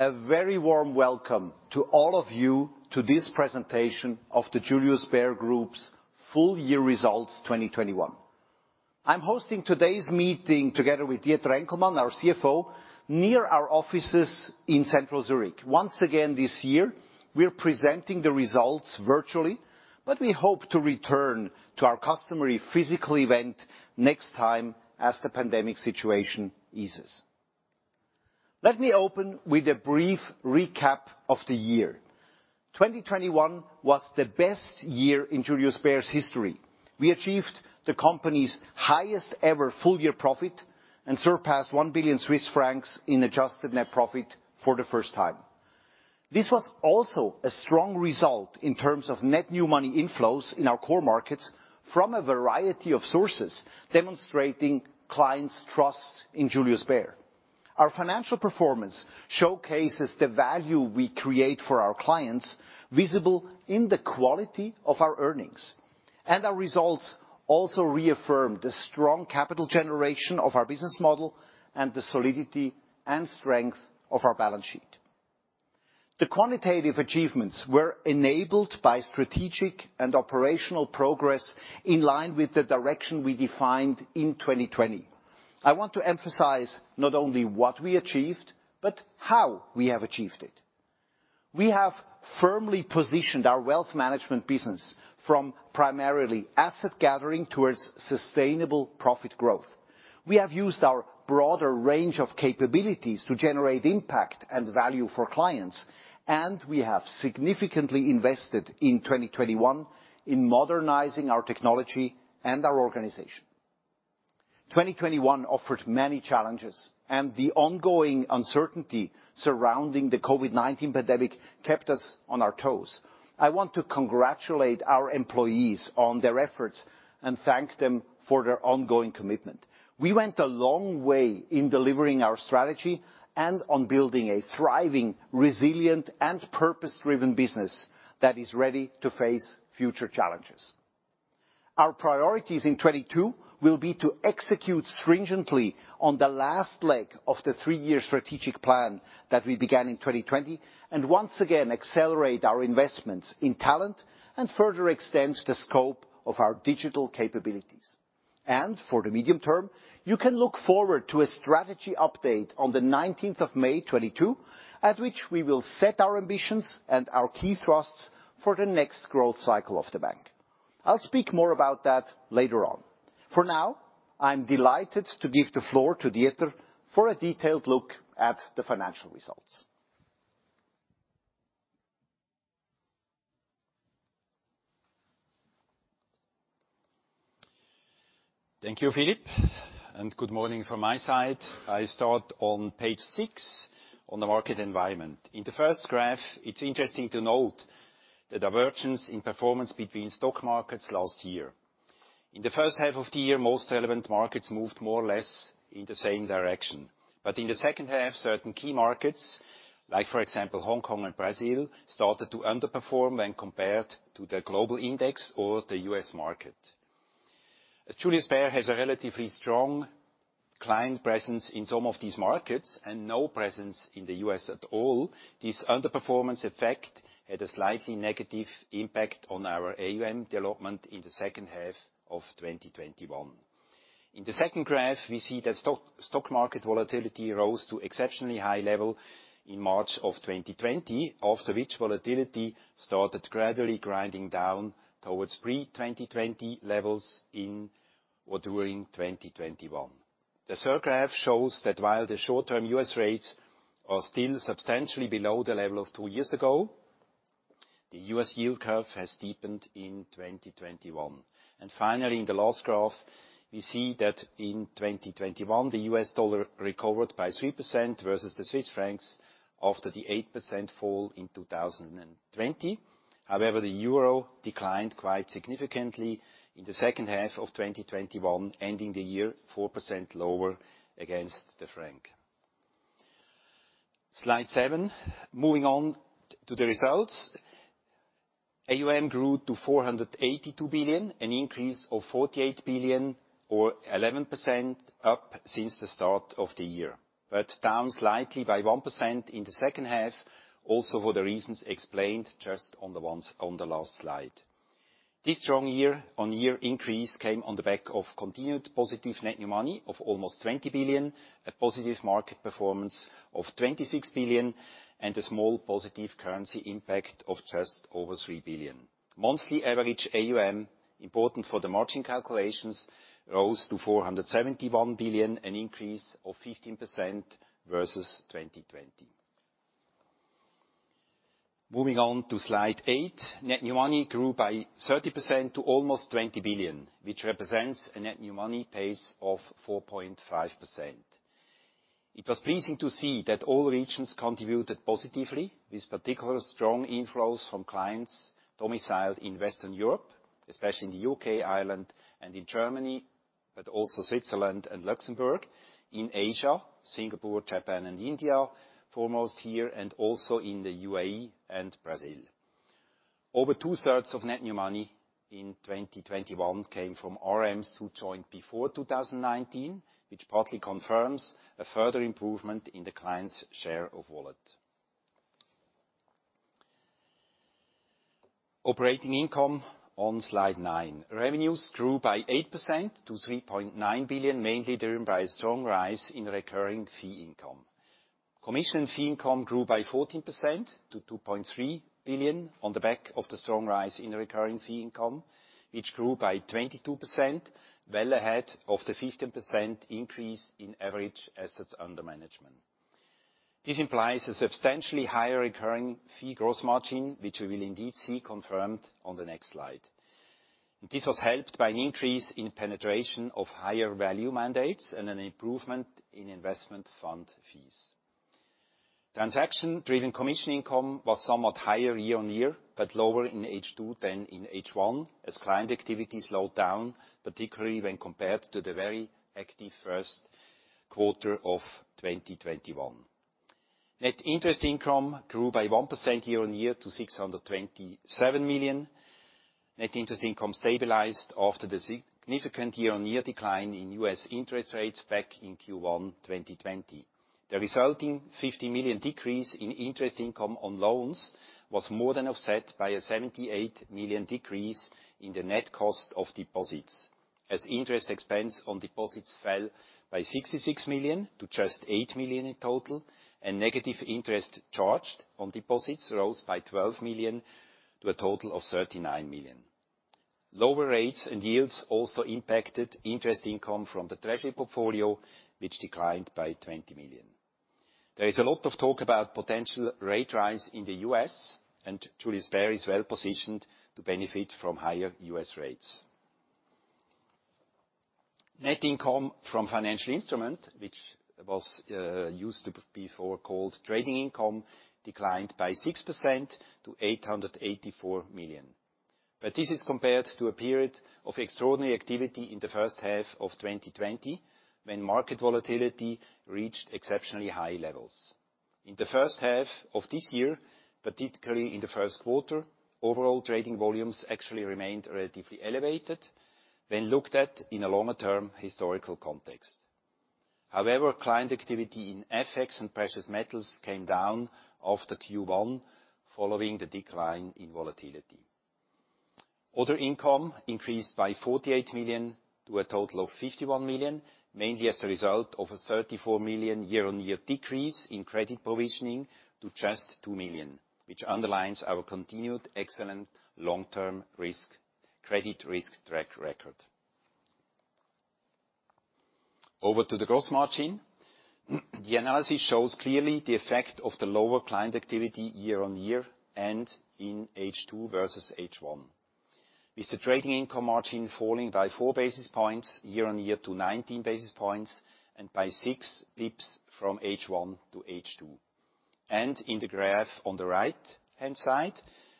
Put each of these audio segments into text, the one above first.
A very warm welcome to all of you to this presentation of the Julius Baer Group's full year results 2021. I'm hosting today's meeting together with Dieter Enkelmann, our CFO, near our offices in Central Zurich. Once again, this year, we're presenting the results virtually, but we hope to return to our customary physical event next time as the pandemic situation eases. Let me open with a brief recap of the year. 2021 was the best year in Julius Baer's history. We achieved the company's highest ever fcull year profit and surpassed 1 billion Swiss francs in adjusted net profit for the first time. This was also a strong result in terms of net new money inflows in our core markets from a variety of sources, demonstrating clients' trust in Julius Baer. Our financial performance showcases the value we create for our clients, visible in the quality of our earnings. Our results also reaffirmed the strong capital generation of our business model and the solidity and strength of our balance sheet. The quantitative achievements were enabled by strategic and operational progress in line with the direction we defined in 2020. I want to emphasize not only what we achieved, but how we have achieved it. We have firmly positioned our wealth management business from primarily asset gathering towards sustainable profit growth. We have used our broader range of capabilities to generate impact and value for clients, and we have significantly invested in 2021 in modernizing our technology and our organization. 2021 offered many challenges, and the ongoing uncertainty surrounding the COVID-19 pandemic kept us on our toes. I want to congratulate our employees on their efforts and thank them for their ongoing commitment. We went a long way in delivering our strategy and on building a thriving, resilient, and purpose-driven business that is ready to face future challenges. Our priorities in 2022 will be to execute stringently on the last leg of the three-year strategic plan that we began in 2020, and once again accelerate our investments in talent and further extend the scope of our digital capabilities. For the medium term, you can look forward to a strategy update on the 19th of May 2022, at which we will set our ambitions and our key thrusts for the next growth cycle of the bank. I'll speak more about that later on. For now, I'm delighted to give the floor to Dieter for a detailed look at the financial results. Thank you, Philipp, and good morning from my side. I start on page 6 on the market environment. In the first graph, it's interesting to note the divergence in performance between stock markets last year. In the first half of the year, most relevant markets moved more or less in the same direction. In the second half, certain key markets, like for example, Hong Kong and Brazil, started to underperform when compared to the global index or the U.S. market. As Julius Bär has a relatively strong client presence in some of these markets and no presence in the U.S. at all, this underperformance effect had a slightly negative impact on our AUM development in the second half of 2021. In the second graph, we see that stock market volatility rose to exceptionally high level in March 2020, after which volatility started gradually grinding down towards pre-2020 levels in or during 2021. The third graph shows that while the short-term U.S. rates are still substantially below the level of two years ago, the U.S. yield curve has deepened in 2021. Finally, in the last graph, we see that in 2021, the U.S. dollar recovered by 3% versus the Swiss francs after the 8% fall in 2020. However, the euro declined quite significantly in the second half of 2021, ending the year 4% lower against the franc. Slide 7, moving on to the results. AUM grew to 482 billion, an increase of 48 billion or 11% up since the start of the year. Down slightly by 1% in the second half, also for the reasons explained just on the last slide. This strong year-on-year increase came on the back of continued positive net new money of almost 20 billion, a positive market performance of 26 billion, and a small positive currency impact of just over 3 billion. Monthly average AUM, important for the margin calculations, rose to 471 billion, an increase of 15% versus 2020. Moving on to slide 8. Net new money grew by 30% to almost 20 billion, which represents a net new money pace of 4.5%. It was pleasing to see that all regions contributed positively with particular strong inflows from clients domiciled in Western Europe, especially in the U.K., Ireland, and in Germany, but also Switzerland and Luxembourg. In Asia, Singapore, Japan, and India, foremost here, and also in the UAE and Brazil. Over two-thirds of net new money in 2021 came from RMs who joined before 2019, which partly confirms a further improvement in the client's share of wallet. Operating income on slide 9. Revenues grew by 8% to 3.9 billion, mainly driven by a strong rise in recurring fee income. Commission fee income grew by 14% to 2.3 billion on the back of the strong rise in recurring fee income, which grew by 22%, well ahead of the 15% increase in average assets under management. This implies a substantially higher recurring fee gross margin, which we will indeed see confirmed on the next slide. This was helped by an increase in penetration of higher value mandates and an improvement in investment fund fees. Transaction-driven commission income was somewhat higher year-on-year, but lower in H2 than in H1 as client activity slowed down, particularly when compared to the very active first quarter of 2021. Net interest income grew by 1% year-on-year to 627 million. Net interest income stabilized after the significant year-on-year decline in U.S. interest rates back in Q1 2020. The resulting 50 million decrease in interest income on loans was more than offset by a 78 million decrease in the net cost of deposits as interest expense on deposits fell by 66 million to just 8 million in total and negative interest charged on deposits rose by 12 million to a total of 39 million. Lower rates and yields also impacted interest income from the treasury portfolio, which declined by 20 million. There is a lot of talk about potential rate rise in the U.S., and Julius Baer is well-positioned to benefit from higher U.S. rates. Net income from financial instrument, which was previously called trading income, declined by 6% to 884 million. This is compared to a period of extraordinary activity in the first half of 2020, when market volatility reached exceptionally high levels. In the first half of this year, particularly in the first quarter, overall trading volumes actually remained relatively elevated when looked at in a longer-term historical context. However, client activity in FX and precious metals came down after Q1 following the decline in volatility. Other income increased by 48 million to a total of 51 million, mainly as a result of a 34 million year-on-year decrease in credit provisioning to just 2 million, which underlines our continued excellent long-term risk, credit risk track record. Over to the gross margin. The analysis shows clearly the effect of the lower client activity year-on-year and in H2 versus H1. With the trading income margin falling by 4 basis points year-on-year to 19 basis points and by six pips from H1 to H2. In the graph on the right-hand side,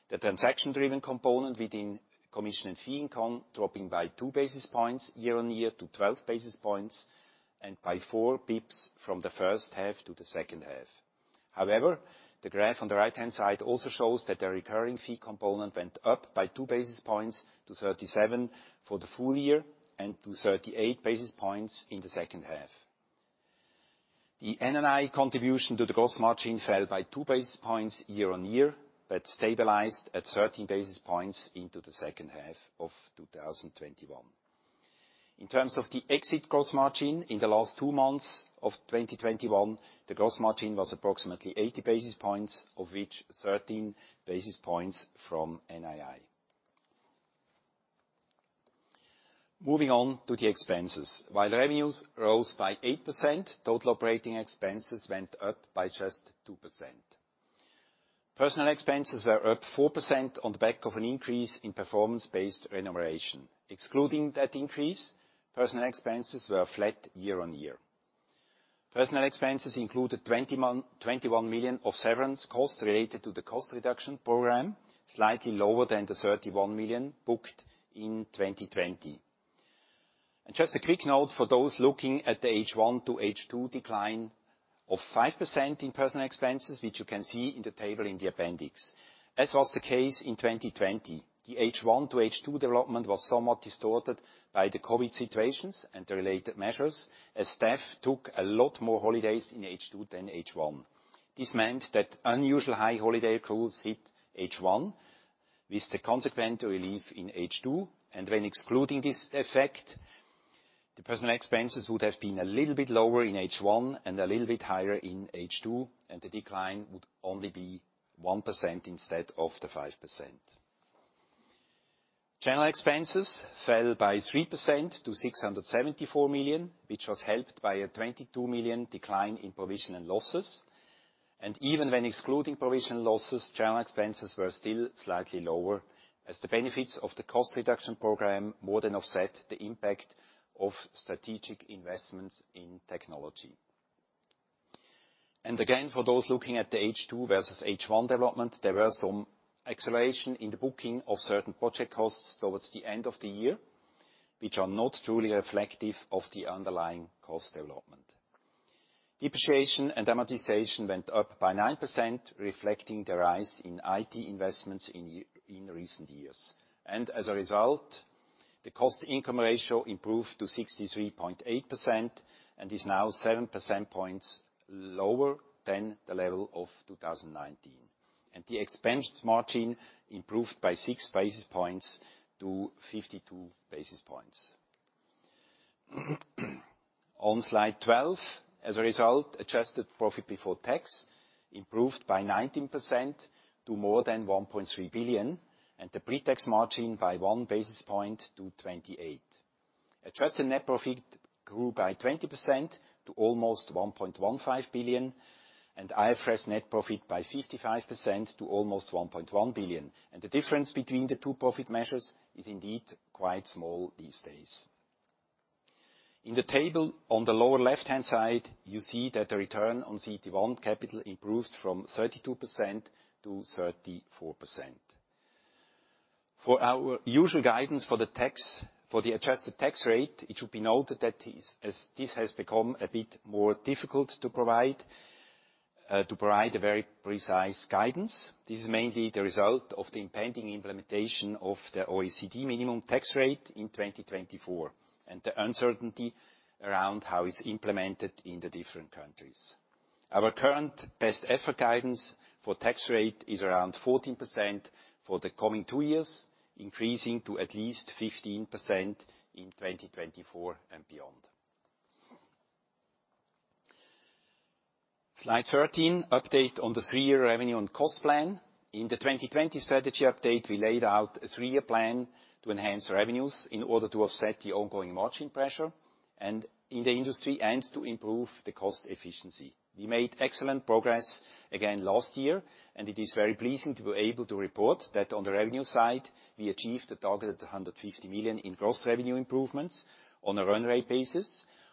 the transaction-driven component within commission and fee income dropping by 2 basis points year-on-year to 12 basis points and by four pips from the first half to the second half. However, the graph on the right-hand side also shows that the recurring fee component went up by 2 basis points to 37 for the full year and to 38 basis points in the second half. The NII contribution to the gross margin fell by 2 basis points year-on-year, but stabilized at 13 basis points into the second half of 2021. In terms of the exit gross margin in the last 2 months of 2021, the gross margin was approximately 80 basis points, of which 13 basis points from NII. Moving on to the expenses. While revenues rose by 8%, total operating expenses went up by just 2%. Personnel expenses are up 4% on the back of an increase in performance-based remuneration. Excluding that increase, personnel expenses were flat year-on-year. Personnel expenses included 21 million of severance costs related to the cost reduction program, slightly lower than the 31 million booked in 2020. Just a quick note for those looking at the H1 to H2 decline of 5% in personnel expenses, which you can see in the table in the appendix. As was the case in 2020, the H1 to H2 development was somewhat distorted by the COVID situations and the related measures as staff took a lot more holidays in H2 than H1. This meant that unusually high holiday accruals hit H1, with the consequent relief in H2. When excluding this effect, the personnel expenses would have been a little bit lower in H1 and a little bit higher in H2, and the decline would only be 1% instead of the 5%. General expenses fell by 3% to 674 million, which was helped by a 22 million decline in provision and losses. Even when excluding provision losses, general expenses were still slightly lower as the benefits of the cost reduction program more than offset the impact of strategic investments in technology. Again, for those looking at the H2 versus H1 development, there were some acceleration in the booking of certain project costs towards the end of the year, which are not truly reflective of the underlying cost development. Depreciation and amortization went up by 9%, reflecting the rise in IT investments in recent years. As a result, the cost-income ratio improved to 63.8% and is now 7 percentage points lower than the level of 2019. The expense margin improved by 6 basis points to 52 basis points. On slide twelve, as a result, adjusted profit before tax improved by 19% to more than 1.3 billion, and the pre-tax margin by 1 basis point to 28%. Adjusted net profit grew by 20% to almost 1.15 billion, and IFRS net profit by 55% to almost 1.1 billion. The difference between the two profit measures is indeed quite small these days. In the table on the lower left-hand side, you see that the return on CET1 capital improved from 32% to 34%. For our usual guidance for the tax, for the adjusted tax rate, it should be noted that as this has become a bit more difficult to provide a very precise guidance. This is mainly the result of the impending implementation of the OECD minimum tax rate in 2024, and the uncertainty around how it's implemented in the different countries. Our current best effort guidance for tax rate is around 14% for the coming two years, increasing to at least 15% in 2024 and beyond. Slide 13, update on the three-year revenue and cost plan. In the 2020 strategy update, we laid out a three-year plan to enhance revenues in order to offset the ongoing margin pressure, and in the industry, and to improve the cost efficiency. We made excellent progress again last year, and it is very pleasing to be able to report that on the revenue side, we achieved the targeted 150 million in gross revenue improvements on a run rate basis,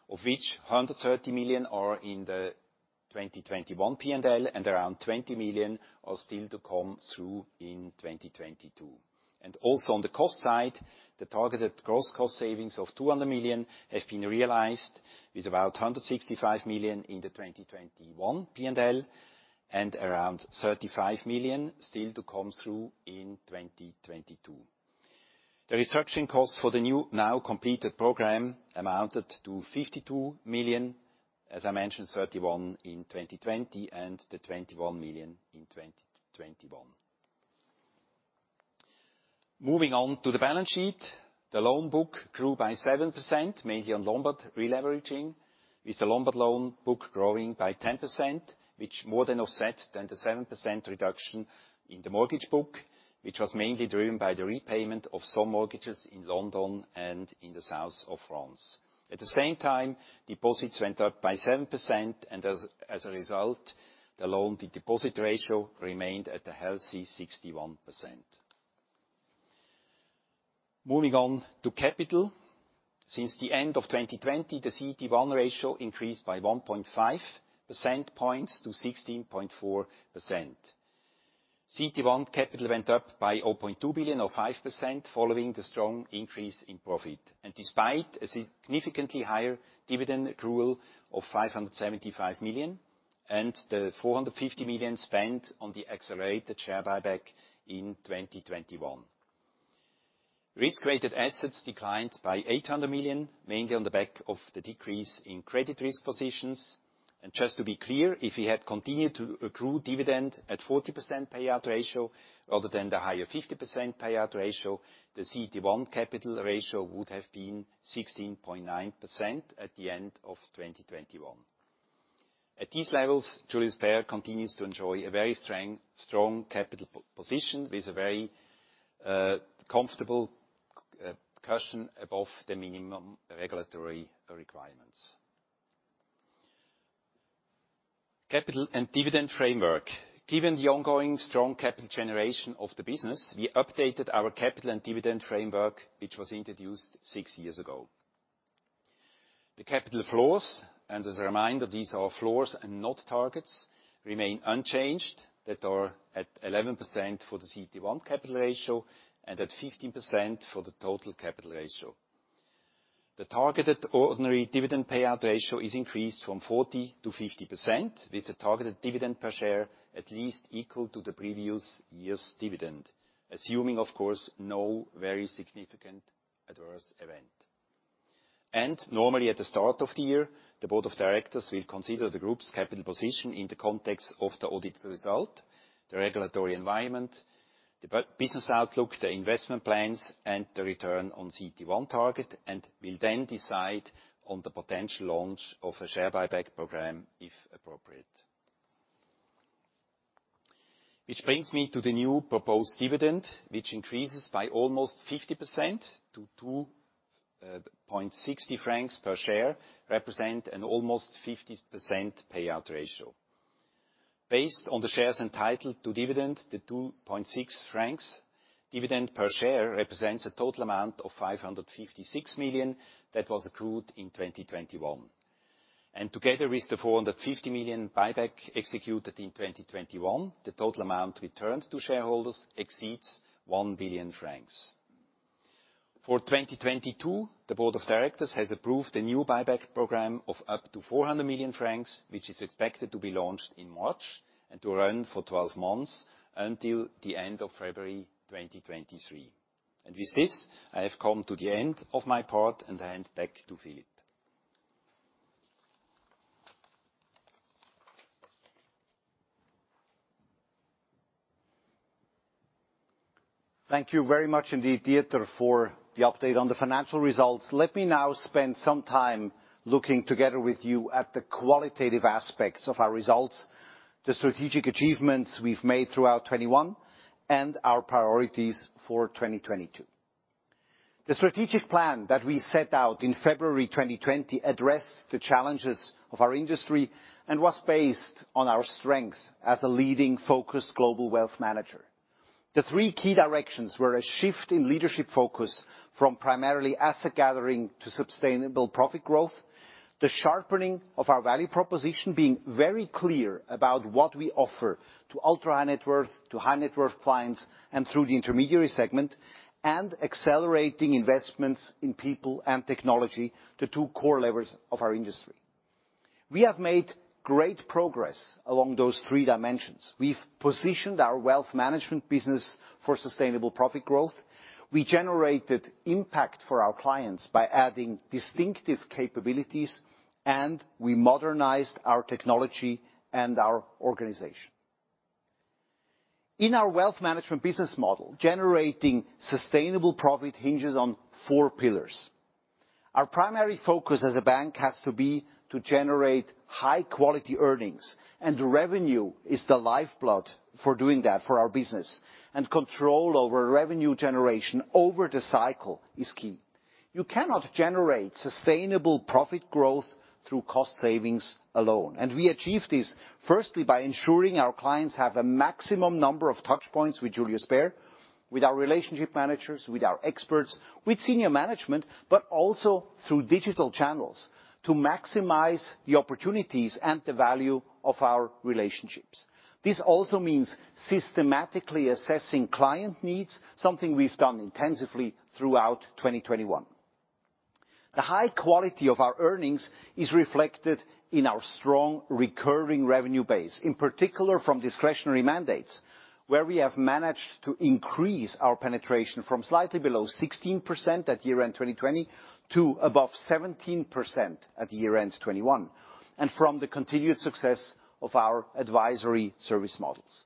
of which 130 million are in the 2021 P&L, and around 20 million are still to come through in 2022. Also on the cost side, the targeted gross cost savings of 200 million have been realized with about 165 million in the 2021 P&L, and around 35 million still to come through in 2022. The restructuring costs for the new now completed program amounted to 52 million, as I mentioned, 31 in 2020, and the 21 million in 2021. Moving on to the balance sheet. The loan book grew by 7%, mainly on Lombard releveraging, with the Lombard loan book growing by 10%, which more than offset the 7% reduction in the mortgage book, which was mainly driven by the repayment of some mortgages in London and in the South of France. At the same time, deposits went up by 7%, and as a result, the loan deposit ratio remained at a healthy 61%. Moving on to capital. Since the end of 2020, the CET1 ratio increased by 1.5 percentage points to 16.4%. CET1 capital went up by 0.2 billion or 5% following the strong increase in profit. Despite a significantly higher dividend accrual of 575 million, and the 450 million spent on the accelerated share buyback in 2021. Risk-rated assets declined by 800 million, mainly on the back of the decrease in credit risk positions. Just to be clear, if we had continued to accrue dividend at 40% payout ratio rather than the higher 50% payout ratio, the CET1 capital ratio would have been 16.9% at the end of 2021. At these levels, Julius Baer continues to enjoy a very strong capital position with a very comfortable cushion above the minimum regulatory requirements. Capital and dividend framework. Given the ongoing strong capital generation of the business, we updated our capital and dividend framework, which was introduced 6 years ago. The capital floors, and as a reminder, these are floors and not targets, remain unchanged, that are at 11% for the CET1 capital ratio, and at 15% for the total capital ratio. The targeted ordinary dividend payout ratio is increased from 40%-50%, with the targeted dividend per share at least equal to the previous year's dividend, assuming of course no very significant adverse event. Normally at the start of the year, the board of directors will consider the group's capital position in the context of the audit result, the regulatory environment, the business outlook, the investment plans, and the return on CET1 target, and will then decide on the potential launch of a share buyback program, if appropriate. Which brings me to the new proposed dividend, which increases by almost 50% to 2.60 francs per share, represent an almost 50% payout ratio. Based on the shares entitled to dividend, the 2.6 francs dividend per share represents a total amount of 556 million that was accrued in 2021. Together with the 450 million buyback executed in 2021, the total amount returned to shareholders exceeds 1 billion francs. For 2022, the board of directors has approved a new buyback program of up to 400 million francs, which is expected to be launched in March and to run for 12 months until the end of February 2023. With this, I have come to the end of my part and hand back to Philipp. Thank you very much indeed, Dieter, for the update on the financial results. Let me now spend some time looking together with you at the qualitative aspects of our results, the strategic achievements we've made throughout 2021, and our priorities for 2022. The strategic plan that we set out in February 2020 addressed the challenges of our industry and was based on our strengths as a leading focused global wealth manager. The three key directions were a shift in leadership focus from primarily asset gathering to sustainable profit growth, the sharpening of our value proposition, being very clear about what we offer to ultra high net worth, to high net worth clients, and through the intermediary segment, and accelerating investments in people and technology as two core levers of our industry. We have made great progress along those three dimensions. We've positioned our wealth management business for sustainable profit growth. We generated impact for our clients by adding distinctive capabilities, and we modernized our technology and our organization. In our wealth management business model, generating sustainable profit hinges on four pillars. Our primary focus as a bank has to be to generate high quality earnings, and revenue is the lifeblood for doing that for our business. Control over revenue generation over the cycle is key. You cannot generate sustainable profit growth through cost savings alone. We achieve this, firstly, by ensuring our clients have a maximum number of touch points with Julius Baer, with our relationship managers, with our experts, with senior management, but also through digital channels to maximize the opportunities and the value of our relationships. This also means systematically assessing client needs, something we've done intensively throughout 2021. The high quality of our earnings is reflected in our strong recurring revenue base, in particular from discretionary mandates, where we have managed to increase our penetration from slightly below 16% at year-end 2020 to above 17% at year-end 2021, and from the continued success of our advisory service models.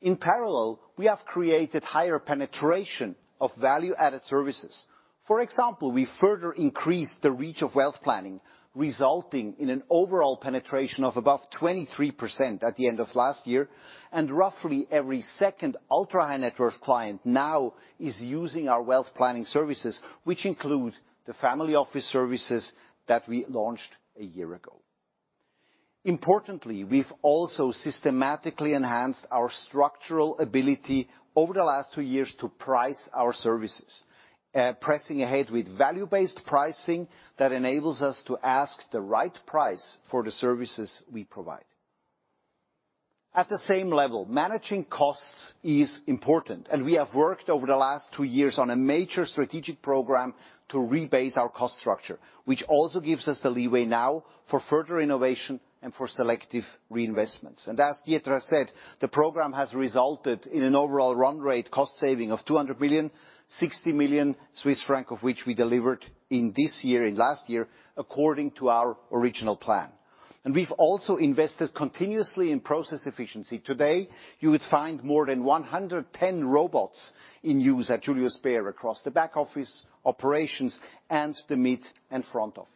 In parallel, we have created higher penetration of value-added services. For example, we further increased the reach of wealth planning, resulting in an overall penetration of above 23% at the end of last year. Roughly every second ultra high net worth client now is using our wealth planning services, which include the family office services that we launched a year ago. Importantly, we've also systematically enhanced our structural ability over the last two years to price our services, pressing ahead with value-based pricing that enables us to ask the right price for the services we provide. At the same level, managing costs is important, and we have worked over the last two years on a major strategic program to rebase our cost structure, which also gives us the leeway now for further innovation and for selective reinvestments. As Dieter has said, the program has resulted in an overall run rate cost saving of 200 million, of which CHF 60 million we delivered in this year and last year according to our original plan. We've also invested continuously in process efficiency. Today, you would find more than 110 robots in use at Julius Baer across the back office operations and the mid and front office.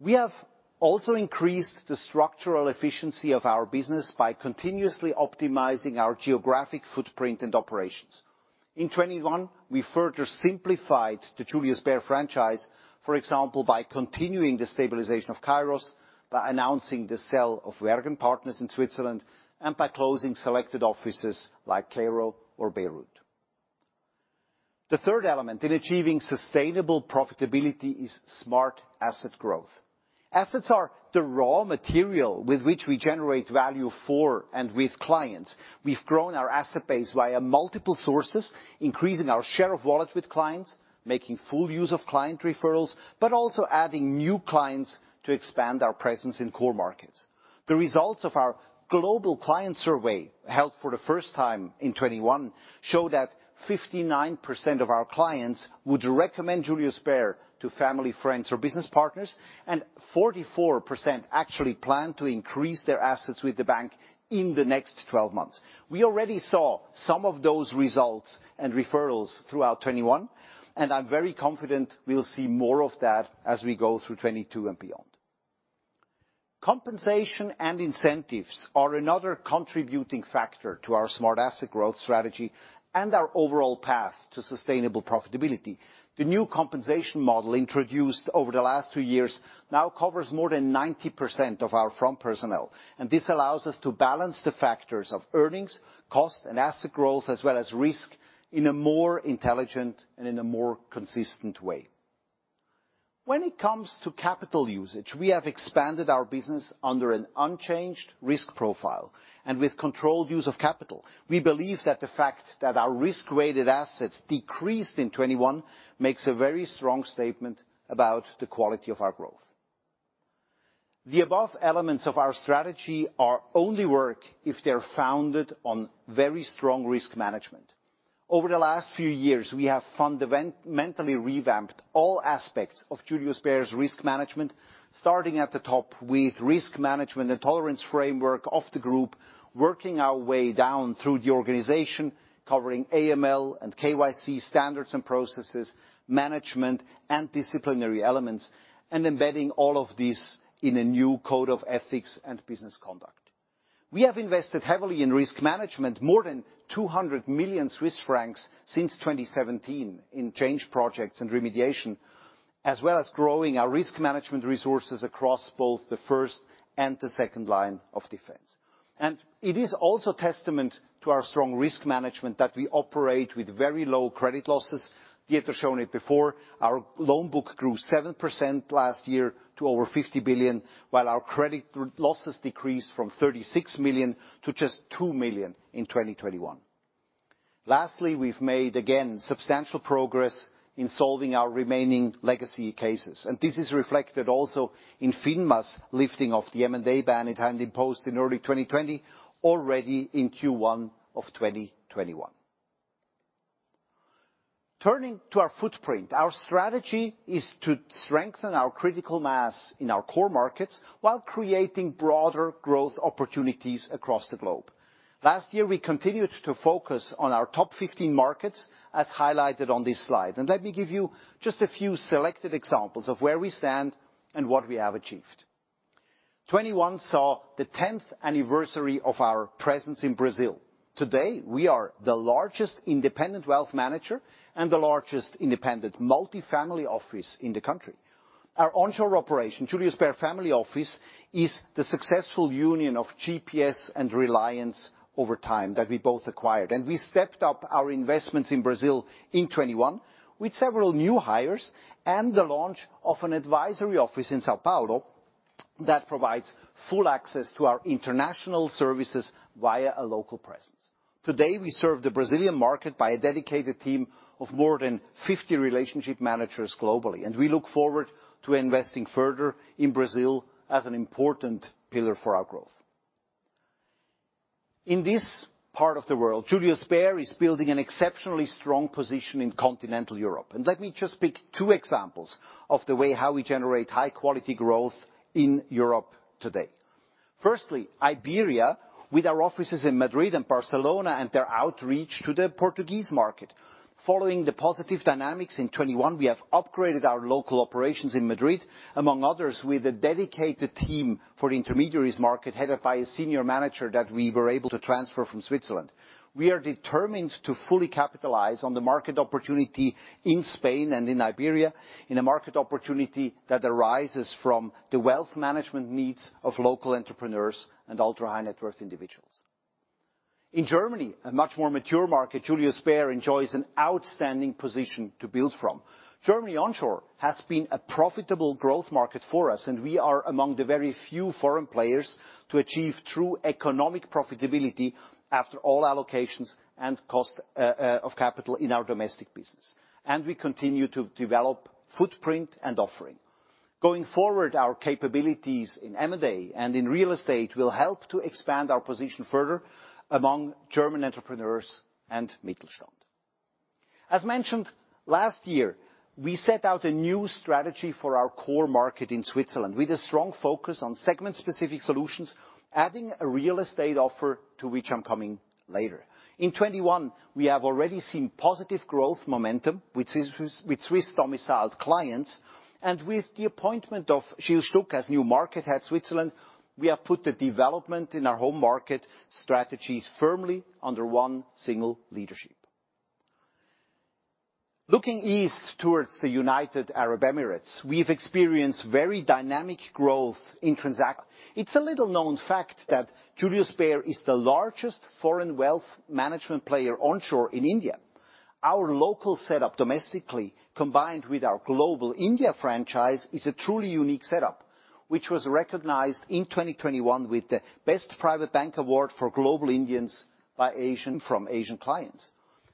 We have also increased the structural efficiency of our business by continuously optimizing our geographic footprint and operations. In 2021, we further simplified the Julius Baer franchise, for example, by continuing the stabilization of Kairos, by announcing the sale of Wergen & Partner in Switzerland, and by closing selected offices like Claro or Beirut. The third element in achieving sustainable profitability is smart asset growth. Assets are the raw material with which we generate value for and with clients. We've grown our asset base via multiple sources, increasing our share of wallet with clients, making full use of client referrals, but also adding new clients to expand our presence in core markets. The results of our global client survey, held for the first time in 2021, show that 59% of our clients would recommend Julius Baer to family, friends, or business partners, and 44% actually plan to increase their assets with the bank in the next 12 months. We already saw some of those results and referrals throughout 2021, and I'm very confident we'll see more of that as we go through 2022 and beyond. Compensation and incentives are another contributing factor to our smart asset growth strategy and our overall path to sustainable profitability. The new compensation model introduced over the last 2 years now covers more than 90% of our front personnel, and this allows us to balance the factors of earnings, cost, and asset growth, as well as risk in a more intelligent and in a more consistent way. When it comes to capital usage, we have expanded our business under an unchanged risk profile and with controlled use of capital. We believe that the fact that our risk-weighted assets decreased in 2021 makes a very strong statement about the quality of our growth. The above elements of our strategy will only work if they're founded on very strong risk management. Over the last few years, we have fundamentally revamped all aspects of Julius Baer's risk management, starting at the top with risk management and tolerance framework of the group, working our way down through the organization, covering AML and KYC standards and processes, management and disciplinary elements, and embedding all of this in a new code of ethics and business conduct. We have invested heavily in risk management, more than 200 million Swiss francs since 2017 in change projects and remediation, as well as growing our risk management resources across both the first and the second line of defense. It is also testament to our strong risk management that we operate with very low credit losses. Dieter showed it before. Our loan book grew 7% last year to over 50 billion, while our credit losses decreased from 36 million to just 2 million in 2021. Lastly, we've made, again, substantial progress in solving our remaining legacy cases. This is reflected also in FINMA's lifting of the M&A ban it had imposed in early 2020 already in Q1 of 2021. Turning to our footprint, our strategy is to strengthen our critical mass in our core markets while creating broader growth opportunities across the globe. Last year, we continued to focus on our top 15 markets, as highlighted on this slide. Let me give you just a few selected examples of where we stand and what we have achieved. 2021 saw the tenth anniversary of our presence in Brazil. Today, we are the largest independent wealth manager and the largest independent multifamily office in the country. Our onshore operation, Julius Baer Family Office, is the successful union of GPS and Reliance over time that we both acquired. We stepped up our investments in Brazil in 2021 with several new hires and the launch of an advisory office in São Paulo that provides full access to our international services via a local presence. Today, we serve the Brazilian market by a dedicated team of more than 50 relationship managers globally, and we look forward to investing further in Brazil as an important pillar for our growth. In this part of the world, Julius Baer is building an exceptionally strong position in continental Europe. Let me just pick two examples of the way how we generate high-quality growth in Europe today. Firstly, Iberia, with our offices in Madrid and Barcelona and their outreach to the Portuguese market. Following the positive dynamics in 2021, we have upgraded our local operations in Madrid, among others, with a dedicated team for the intermediaries market headed by a senior manager that we were able to transfer from Switzerland. We are determined to fully capitalize on the market opportunity in Spain and in Iberia in a market opportunity that arises from the wealth management needs of local entrepreneurs and ultra-high-net-worth individuals. In Germany, a much more mature market, Julius Baer enjoys an outstanding position to build from. Germany onshore has been a profitable growth market for us, and we are among the very few foreign players to achieve true economic profitability after all allocations and cost of capital in our domestic business. We continue to develop footprint and offering. Going forward, our capabilities in M&A and in real estate will help to expand our position further among German entrepreneurs and Mittelstand. As mentioned, last year, we set out a new strategy for our core market in Switzerland with a strong focus on segment-specific solutions, adding a real estate offer to which I'm coming later. In 2021, we have already seen positive growth momentum, which is with Swiss-domiciled clients. With the appointment of Gilles Stuck as new Market Head Switzerland, we have put the development in our home market strategies firmly under one single leadership. Looking east towards the United Arab Emirates, we've experienced very dynamic growth in transactions. It's a little known fact that Julius Baer is the largest foreign wealth management player onshore in India. Our local setup domestically, combined with our global India franchise, is a truly unique setup, which was recognized in 2021 with the Best Private Bank Award for Global Indians by Asian Private Banker for Asian clients.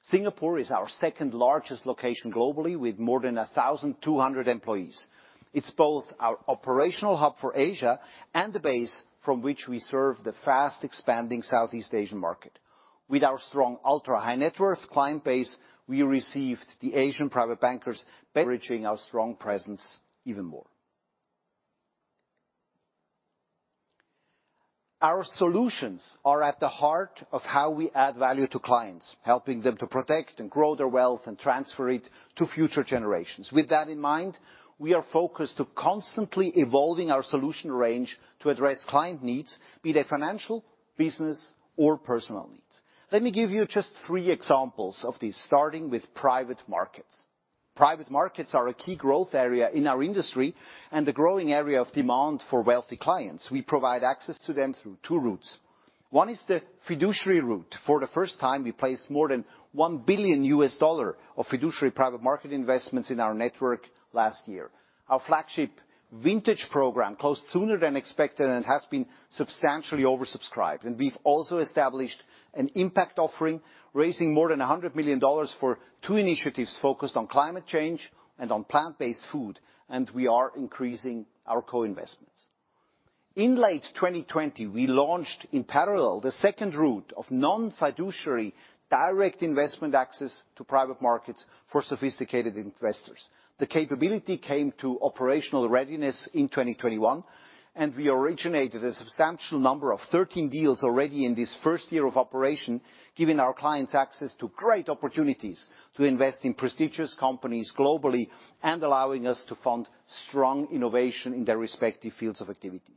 Singapore is our second-largest location globally with more than 1,200 employees. It's both our operational hub for Asia and the base from which we serve the fast-expanding Southeast Asian market. With our strong ultra-high-net-worth client base, we received the Asian Private Banker bridging our strong presence even more. Our solutions are at the heart of how we add value to clients, helping them to protect and grow their wealth and transfer it to future generations. With that in mind, we are focused to constantly evolving our solution range to address client needs, be they financial, business, or personal needs. Let me give you just three examples of these, starting with private markets. Private markets are a key growth area in our industry and a growing area of demand for wealthy clients. We provide access to them through two routes. One is the fiduciary route. For the first time, we placed more than $1 billion of fiduciary private market investments in our network last year. Our flagship vintage program closed sooner than expected and has been substantially oversubscribed. We've also established an impact offering, raising more than $100 million for two initiatives focused on climate change and on plant-based food, and we are increasing our co-investments. In late 2020, we launched in parallel the second route of non-fiduciary direct investment access to private markets for sophisticated investors. The capability came to operational readiness in 2021, and we originated a substantial number of 13 deals already in this first year of operation, giving our clients access to great opportunities to invest in prestigious companies globally and allowing us to fund strong innovation in their respective fields of activity.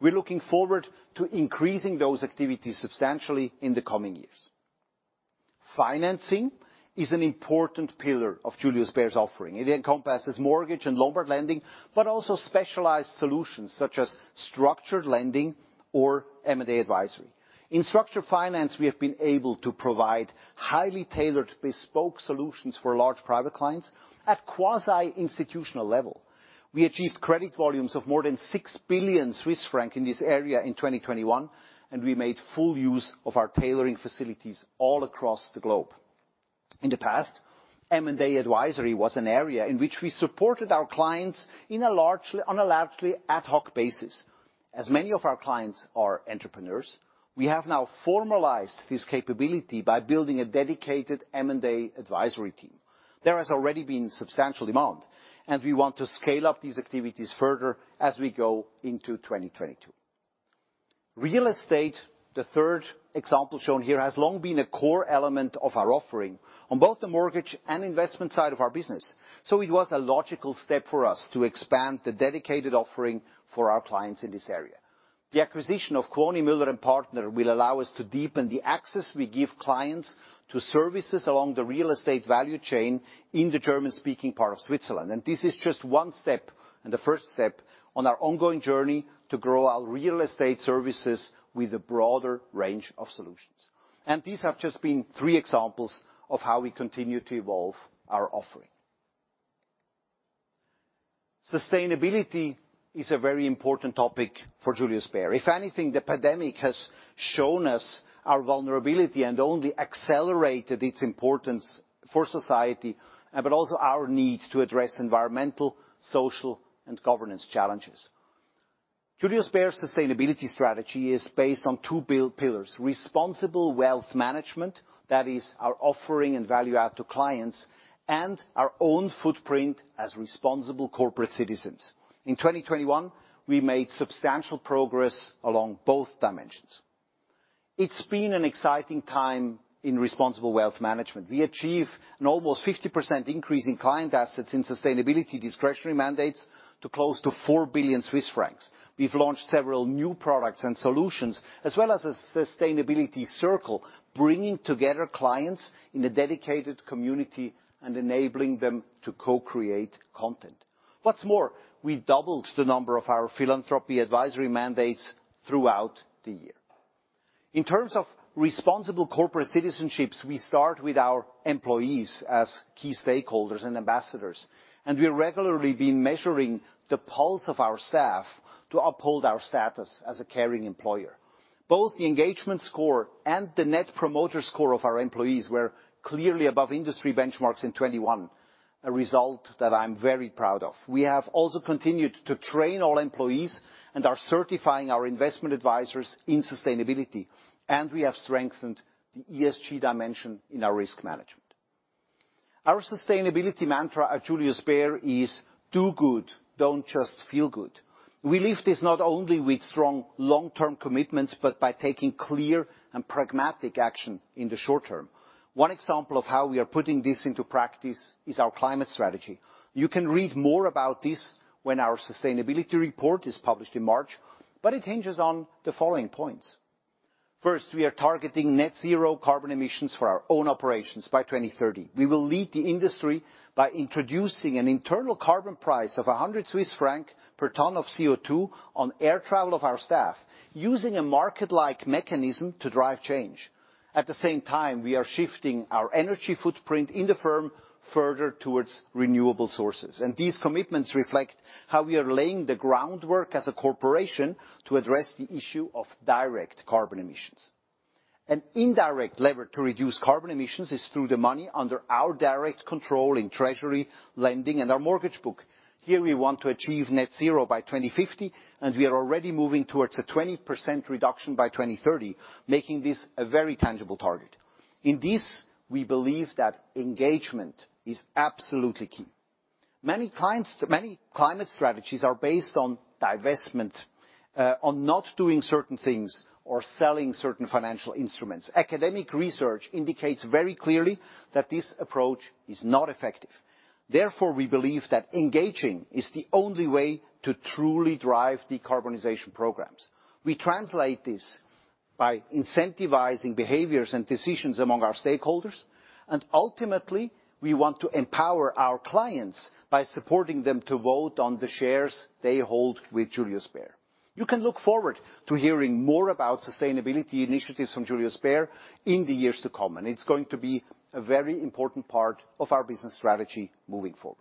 We're looking forward to increasing those activities substantially in the coming years. Financing is an important pillar of Julius Baer's offering. It encompasses mortgage and Lombard lending, but also specialized solutions such as structured lending or M&A advisory. In structured finance, we have been able to provide highly tailored bespoke solutions for large private clients at quasi-institutional level. We achieved credit volumes of more than 6 billion Swiss francs in this area in 2021, and we made full use of our tailoring facilities all across the globe. In the past, M&A advisory was an area in which we supported our clients in a largely ad hoc basis. As many of our clients are entrepreneurs, we have now formalized this capability by building a dedicated M&A advisory team. There has already been substantial demand, and we want to scale up these activities further as we go into 2022. Real estate, the third example shown here, has long been a core element of our offering on both the mortgage and investment side of our business, so it was a logical step for us to expand the dedicated offering for our clients in this area. The acquisition of Kuoni Müller & Partner will allow us to deepen the access we give clients to services along the real estate value chain in the German-speaking part of Switzerland. This is just one step, and the first step on our ongoing journey to grow our real estate services with a broader range of solutions. These have just been three examples of how we continue to evolve our offering. Sustainability is a very important topic for Julius Baer. If anything, the pandemic has shown us our vulnerability and only accelerated its importance for society, but also our need to address environmental, social, and governance challenges. Julius Baer's sustainability strategy is based on two pillars, responsible wealth management, that is our offering and value add to clients, and our own footprint as responsible corporate citizens. In 2021, we made substantial progress along both dimensions. It's been an exciting time in responsible wealth management. We achieved an almost 50% increase in client assets in sustainability discretionary mandates to close to 4 billion Swiss francs. We've launched several new products and solutions, as well as a Sustainability Circle, bringing together clients in a dedicated community and enabling them to co-create content. What's more, we've doubled the number of our philanthropy advisory mandates throughout the year. In terms of responsible corporate citizenships, we start with our employees as key stakeholders and ambassadors, and we've regularly been measuring the pulse of our staff to uphold our status as a caring employer. Both the engagement score and the net promoter score of our employees were clearly above industry benchmarks in 2021, a result that I'm very proud of. We have also continued to train all employees and are certifying our investment advisors in sustainability, and we have strengthened the ESG dimension in our risk management. Our sustainability mantra at Julius Baer is, "Do good, don't just feel good." We live this not only with strong long-term commitments, but by taking clear and pragmatic action in the short term. One example of how we are putting this into practice is our climate strategy. You can read more about this when our sustainability report is published in March, but it hinges on the following points. First, we are targeting net zero carbon emissions for our own operations by 2030. We will lead the industry by introducing an internal carbon price of 100 Swiss francs per ton of CO2 on air travel of our staff using a market-like mechanism to drive change. At the same time, we are shifting our energy footprint in the firm further towards renewable sources. These commitments reflect how we are laying the groundwork as a corporation to address the issue of direct carbon emissions. An indirect lever to reduce carbon emissions is through the money under our direct control in treasury lending and our mortgage book. Here, we want to achieve net zero by 2050, and we are already moving towards a 20% reduction by 2030, making this a very tangible target. In this, we believe that engagement is absolutely key. Many climate strategies are based on divestment, on not doing certain things or selling certain financial instruments. Academic research indicates very clearly that this approach is not effective. Therefore, we believe that engaging is the only way to truly drive decarbonization programs. We translate this by incentivizing behaviors and decisions among our stakeholders, and ultimately, we want to empower our clients by supporting them to vote on the shares they hold with Julius Bär. You can look forward to hearing more about sustainability initiatives from Julius Bär in the years to come, and it's going to be a very important part of our business strategy moving forward.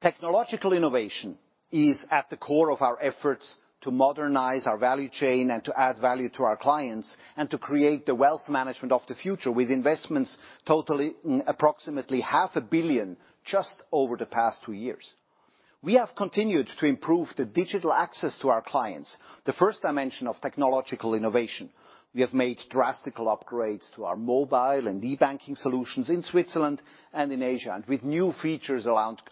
Technological innovation is at the core of our efforts to modernize our value chain and to add value to our clients and to create the wealth management of the future with investments totaling approximately CHF half a billion just over the past two years. We have continued to improve the digital access to our clients, the first dimension of technological innovation. We have made drastic upgrades to our mobile and e-banking solutions in Switzerland and in Asia, and with new features around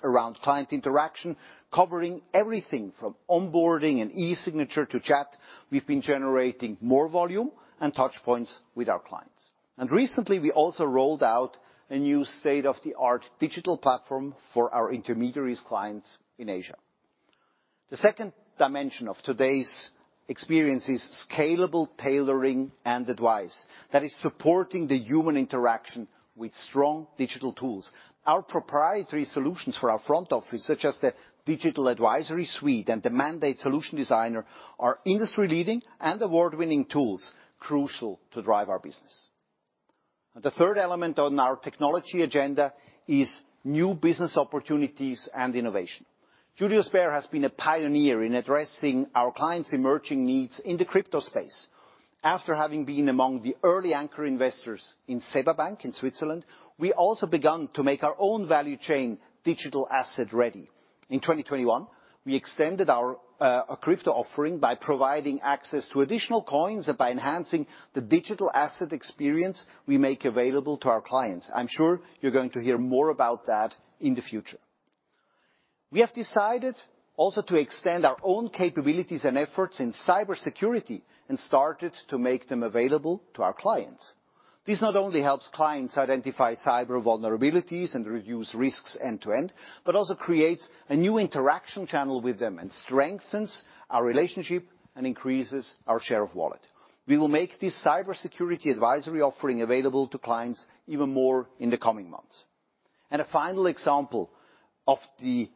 client interaction, covering everything from onboarding and e-signature to chat, we've been generating more volume and touchpoints with our clients. Recently, we also rolled out a new state-of-the-art digital platform for our intermediary clients in Asia. The second dimension of today's experience is scalable tailoring and advice that is supporting the human interaction with strong digital tools. Our proprietary solutions for our front office, such as the Digital Advisory Suite and the Mandate Solution Designer, are industry-leading and award-winning tools crucial to drive our business. The third element on our technology agenda is new business opportunities and innovation. Julius Baer has been a pioneer in addressing our clients' emerging needs in the crypto space. After having been among the early anchor investors in SEBA Bank in Switzerland, we also begun to make our own value chain digital asset ready. In 2021, we extended our crypto offering by providing access to additional coins and by enhancing the digital asset experience we make available to our clients. I'm sure you're going to hear more about that in the future. We have decided also to extend our own capabilities and efforts in cybersecurity and started to make them available to our clients. This not only helps clients identify cyber vulnerabilities and reduce risks end-to-end, but also creates a new interaction channel with them and strengthens our relationship and increases our share of wallet. We will make this cybersecurity advisory offering available to clients even more in the coming months. A final example of the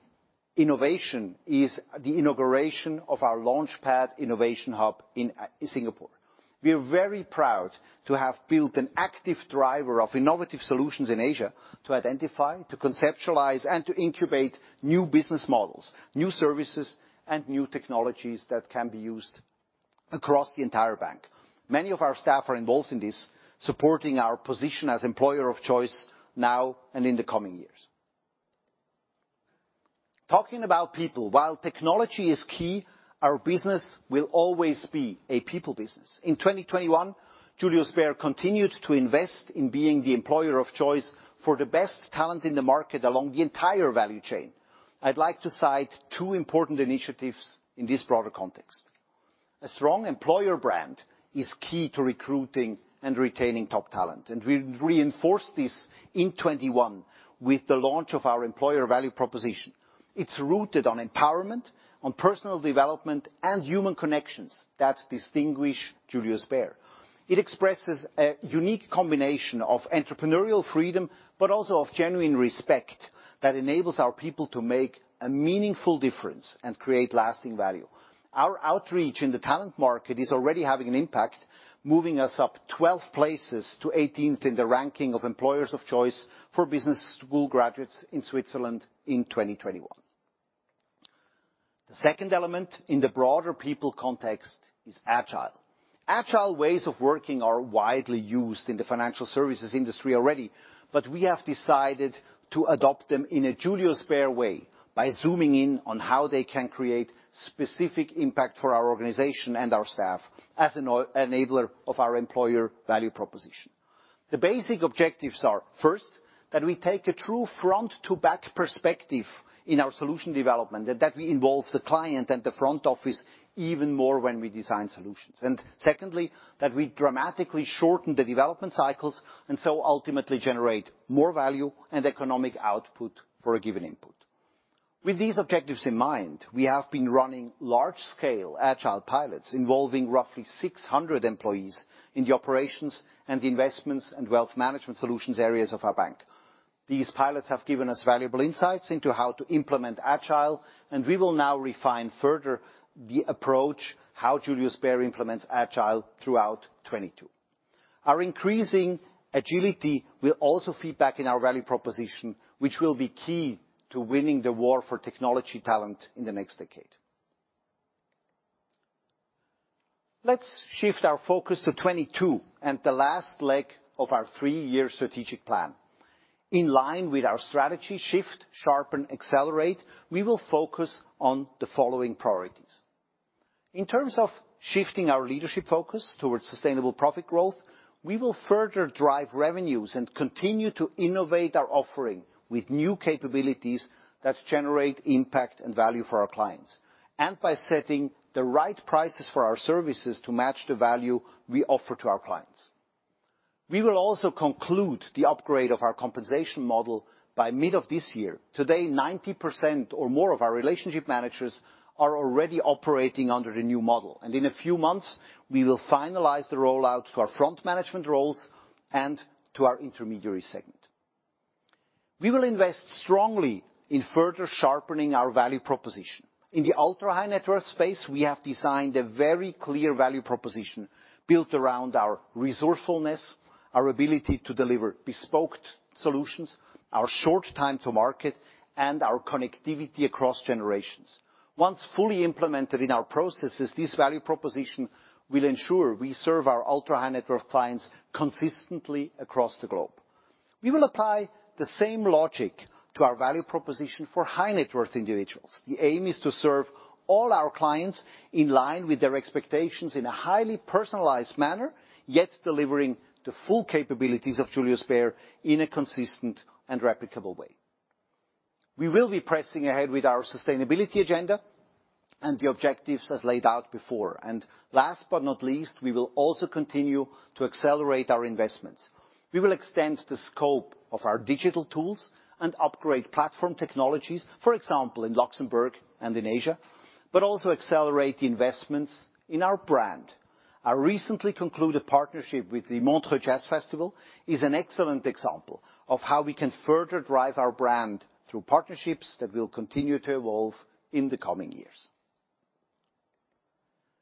innovation is the inauguration of our Launchpad innovation hub in Singapore. We are very proud to have built an active driver of innovative solutions in Asia to identify, to conceptualize, and to incubate new business models, new services, and new technologies that can be used across the entire bank. Many of our staff are involved in this, supporting our position as employer of choice now and in the coming years. Talking about people, while technology is key, our business will always be a people business. In 2021, Julius Baer continued to invest in being the employer of choice for the best talent in the market along the entire value chain. I'd like to cite two important initiatives in this broader context. A strong employer brand is key to recruiting and retaining top talent, and we reinforced this in 2021 with the launch of our employer value proposition. It's rooted on empowerment, on personal development, and human connections that distinguish Julius Baer. It expresses a unique combination of entrepreneurial freedom, but also of genuine respect that enables our people to make a meaningful difference and create lasting value. Our outreach in the talent market is already having an impact, moving us up 12 places to 18th in the ranking of employers of choice for business school graduates in Switzerland in 2021. The second element in the broader people context is Agile. Agile ways of working are widely used in the financial services industry already, but we have decided to adopt them in a Julius Baer way by zooming in on how they can create specific impact for our organization and our staff as an enabler of our employer value proposition. The basic objectives are, first, that we take a true front-to-back perspective in our solution development, and that we involve the client and the front office even more when we design solutions. Secondly, that we dramatically shorten the development cycles and so ultimately generate more value and economic output for a given input. With these objectives in mind, we have been running large-scale agile pilots involving roughly 600 employees in the operations and the investments and wealth management solutions areas of our bank. These pilots have given us valuable insights into how to implement Agile, and we will now refine further the approach how Julius Baer implements Agile throughout 2022. Our increasing agility will also feed back in our value proposition, which will be key to winning the war for technology talent in the next decade. Let's shift our focus to 2022 and the last leg of our three-year strategic plan. In line with our strategy, Shift, Sharpen, Accelerate, we will focus on the following priorities. In terms of shifting our leadership focus towards sustainable profit growth, we will further drive revenues and continue to innovate our offering with new capabilities that generate impact and value for our clients, and by setting the right prices for our services to match the value we offer to our clients. We will also conclude the upgrade of our compensation model by mid of this year. Today, 90% or more of our relationship managers are already operating under the new model, and in a few months, we will finalize the rollout to our front management roles and to our intermediary segment. We will invest strongly in further sharpening our value proposition. In the ultra-high net worth space, we have designed a very clear value proposition built around our resourcefulness, our ability to deliver bespoke solutions, our short time to market, and our connectivity across generations. Once fully implemented in our processes, this value proposition will ensure we serve our ultra-high net worth clients consistently across the globe. We will apply the same logic to our value proposition for high-net-worth individuals. The aim is to serve all our clients in line with their expectations in a highly personalized manner, yet delivering the full capabilities of Julius Baer in a consistent and replicable way. We will be pressing ahead with our sustainability agenda and the objectives as laid out before. Last but not least, we will also continue to accelerate our investments. We will extend the scope of our digital tools and upgrade platform technologies, for example, in Luxembourg and in Asia, but also accelerate the investments in our brand. Our recently concluded partnership with the Montreux Jazz Festival is an excellent example of how we can further drive our brand through partnerships that will continue to evolve in the coming years.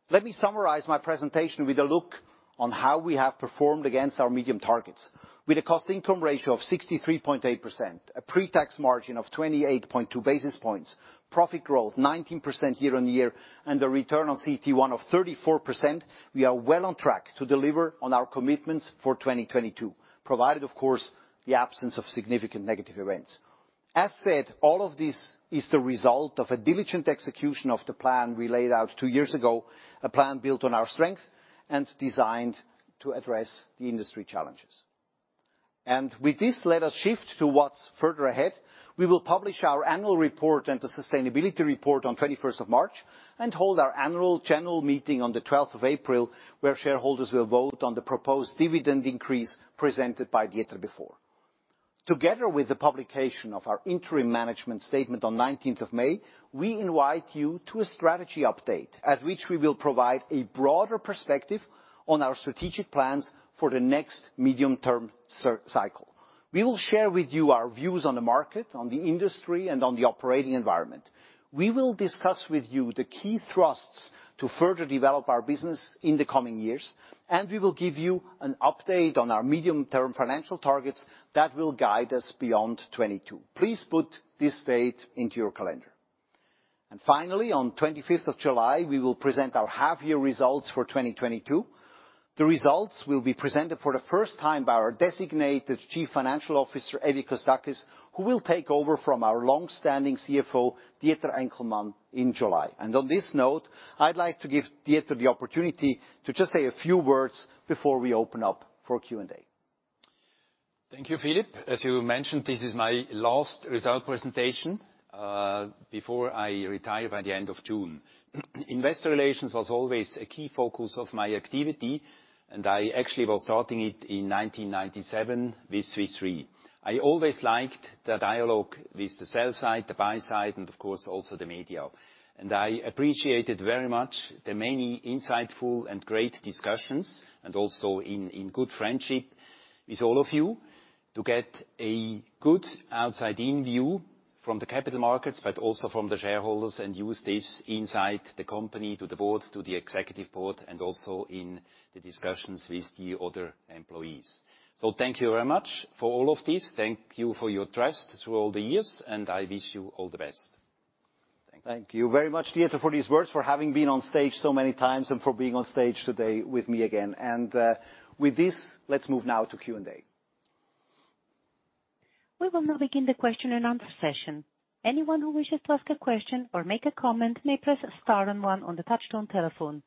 Let me summarize my presentation with a look on how we have performed against our medium-term targets. With a cost-income ratio of 63.8%, a pre-tax margin of 28.2 basis points, profit growth 19% year-on-year, and the return on CET1 of 34%, we are well on track to deliver on our commitments for 2022, provided, of course, the absence of significant negative events. As said, all of this is the result of a` diligent execution of the plan we laid out two years ago, a plan built on our strength and designed to address the industry challenges. With this, let us shift to what's further ahead. We will publish our annual report and the sustainability report on 21st of March and hold our annual general meeting on the 12th of April, where shareholders will vote on the proposed dividend increase presented by Dieter before. Together with the publication of our interim management statement on 19th of May, we invite you to a strategy update at which we will provide a broader perspective on our strategic plans for the next medium-term cycle. We will share with you our views on the market, on the industry, and on the operating environment. We will discuss with you the key thrusts to further develop our business in the coming years, and we will give you an update on our medium-term financial targets that will guide us beyond 2022. Please put this date into your calendar. Finally, on 25th of July, we will present our half-year results for 2022. The results will be presented for the first time by our designated Chief Financial Officer, Evie Kostakis, who will take over from our long-standing CFO, Dieter Enkelmann, in July. On this note, I'd like to give Dieter the opportunity to just say a few words before we open up for Q&A. Thank you, Philipp. As you mentioned, this is my last result presentation before I retire by the end of June. Investor relations was always a key focus of my activity, and I actually was starting it in 1997 with Swiss Re. I always liked the dialogue with the sell side, the buy side, and of course, also the media. I appreciated very much the many insightful and great discussions, and also in good friendship with all of you to get a good outside-in view from the capital markets, but also from the shareholders, and use this inside the company to the board, to the executive board, and also in the discussions with the other employees. Thank you very much for all of this. Thank you for your trust through all the years, and I wish you all the best. Thank you. Thank you very much, Dieter, for these words, for having been on stage so many times, and for being on stage today with me again. With this, let's move now to Q&A. We will now begin the question and answer session. Anyone who wishes to ask a question or make a comment may press star and one on the touchtone telephone.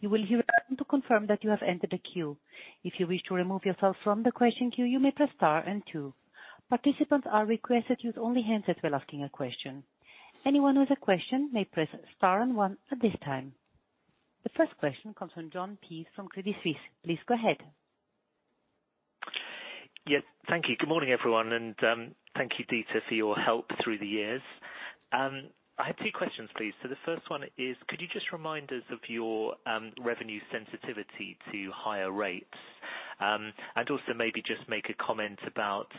You will hear a tone to confirm that you have entered the queue. If you wish to remove yourself from the question queue, you may press star and two. Participants are requested to use only handsets when asking a question. Anyone with a question may press star and one at this time. The first question comes from Jon Peace from Credit Suisse. Please go ahead. Yes. Thank you. Good morning, everyone, and thank you, Dieter, for your help through the years. I have two questions, please. The first one is, could you just remind us of your revenue sensitivity to higher rates? Also maybe just make a comment about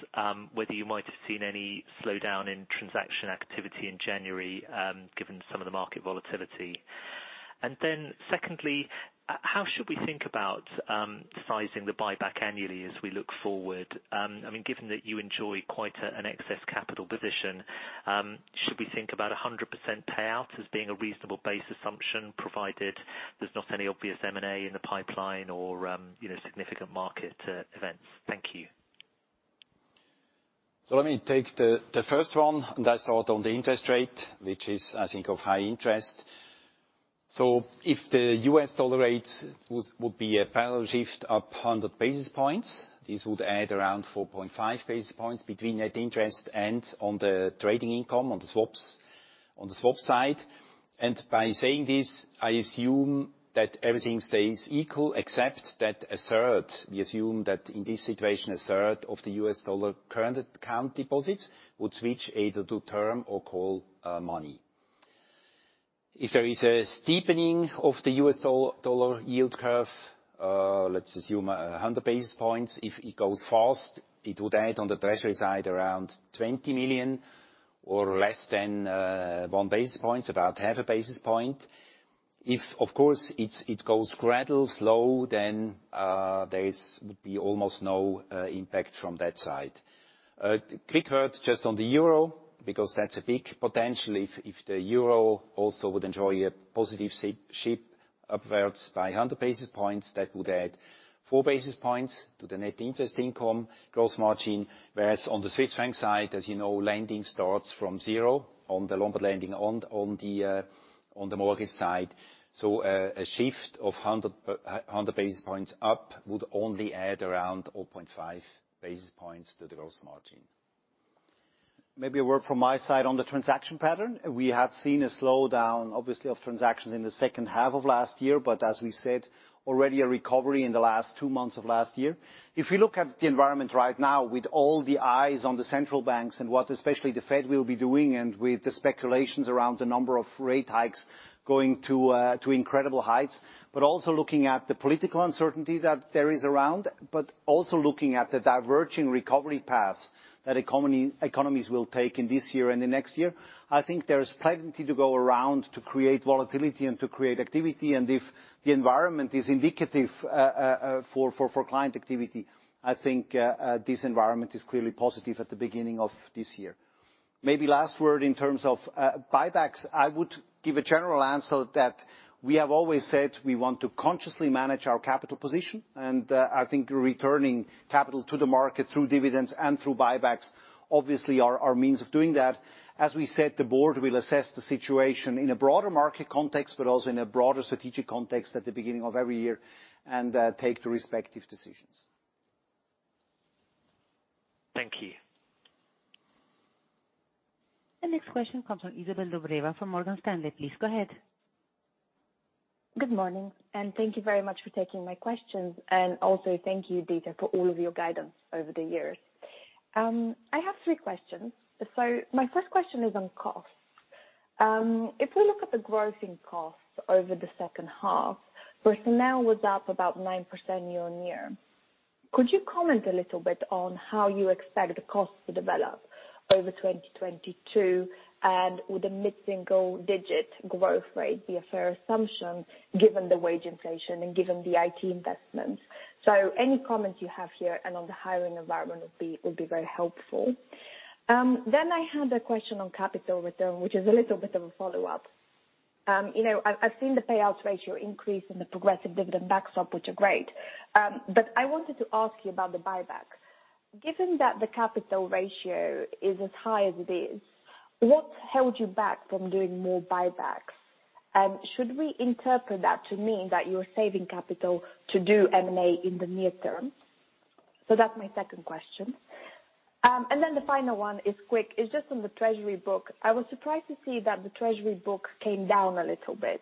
whether you might have seen any slowdown in transaction activity in January, given some of the market volatility. Secondly, how should we think about sizing the buyback annually as we look forward? I mean, given that you enjoy quite an excess capital position, should we think about a 100% payout as being a reasonable base assumption, provided there's not any obvious M&A in the pipeline or you know, significant market events? Thank you. Let me take the first one, and that's all on the interest rate, which is, I think, of high interest. If the US dollar rate was, would be a parallel shift of 100 basis points, this would add around 4.5 basis points between net interest and on the trading income on the swaps, on the swap side. By saying this, I assume that everything stays equal except that a third, we assume that in this situation, a third of the US dollar current account deposits would switch either to term or call money. If there is a steepening of the US dollar yield curve, let's assume 100 basis points. If it goes fast, it would add on the treasury side around $20 million or less than 1 basis point, about 0.5 basis point. If, of course, it goes gradual, slow, then there would be almost no impact from that side. Quick word just on the euro, because that's a big potential. If the euro also would enjoy a positive shift upwards by 100 basis points, that would add 4 basis points to the net interest income gross margin. Whereas on the Swiss franc side, as you know, lending starts from zero on the longer lending on the mortgage side. A shift of 100 basis points up would only add around 0.5 basis points to the gross margin. Maybe a word from my side on the transaction pattern. We have seen a slowdown, obviously, of transactions in the second half of last year, but as we said, already a recovery in the last 2 months of last year. If you look at the environment right now with all the eyes on the central banks and what especially the Fed will be doing, and with the speculations around the number of rate hikes going to incredible heights. Also looking at the political uncertainty that there is around. Also looking at the diverging recovery paths that economies will take in this year and the next year. I think there is plenty to go around to create volatility and to create activity. If the environment is indicative for client activity, I think this environment is clearly positive at the beginning of this year. Maybe last word in terms of buybacks. I would give a general answer that we have always said we want to consciously manage our capital position. I think returning capital to the market through dividends and through buybacks obviously are our means of doing that. As we said, the board will assess the situation in a broader market context, but also in a broader strategic context at the beginning of every year, and take the respective decisions. Thank you. The next question comes from Izabel Dobreva from Morgan Stanley. Please go ahead. Good morning, and thank you very much for taking my questions. Also thank you, Dieter, for all of your guidance over the years. I have three questions. My first question is on costs. If we look at the growth in costs over the second half, personnel was up about 9% year-on-year. Could you comment a little bit on how you expect the costs to develop over 2022? And would a mid-single digit growth rate be a fair assumption given the wage inflation and given the IT investments? Any comments you have here and on the hiring environment would be very helpful. I had a question on capital return, which is a little bit of a follow-up. You know, I've seen the payout ratio increase and the progressive dividend backstop, which are great. I wanted to ask you about the buyback. Given that the capital ratio is as high as it is, what's held you back from doing more buybacks? Should we interpret that to mean that you're saving capital to do M&A in the near term? That's my second question. The final one is quick. It's just on the treasury book. I was surprised to see that the treasury book came down a little bit,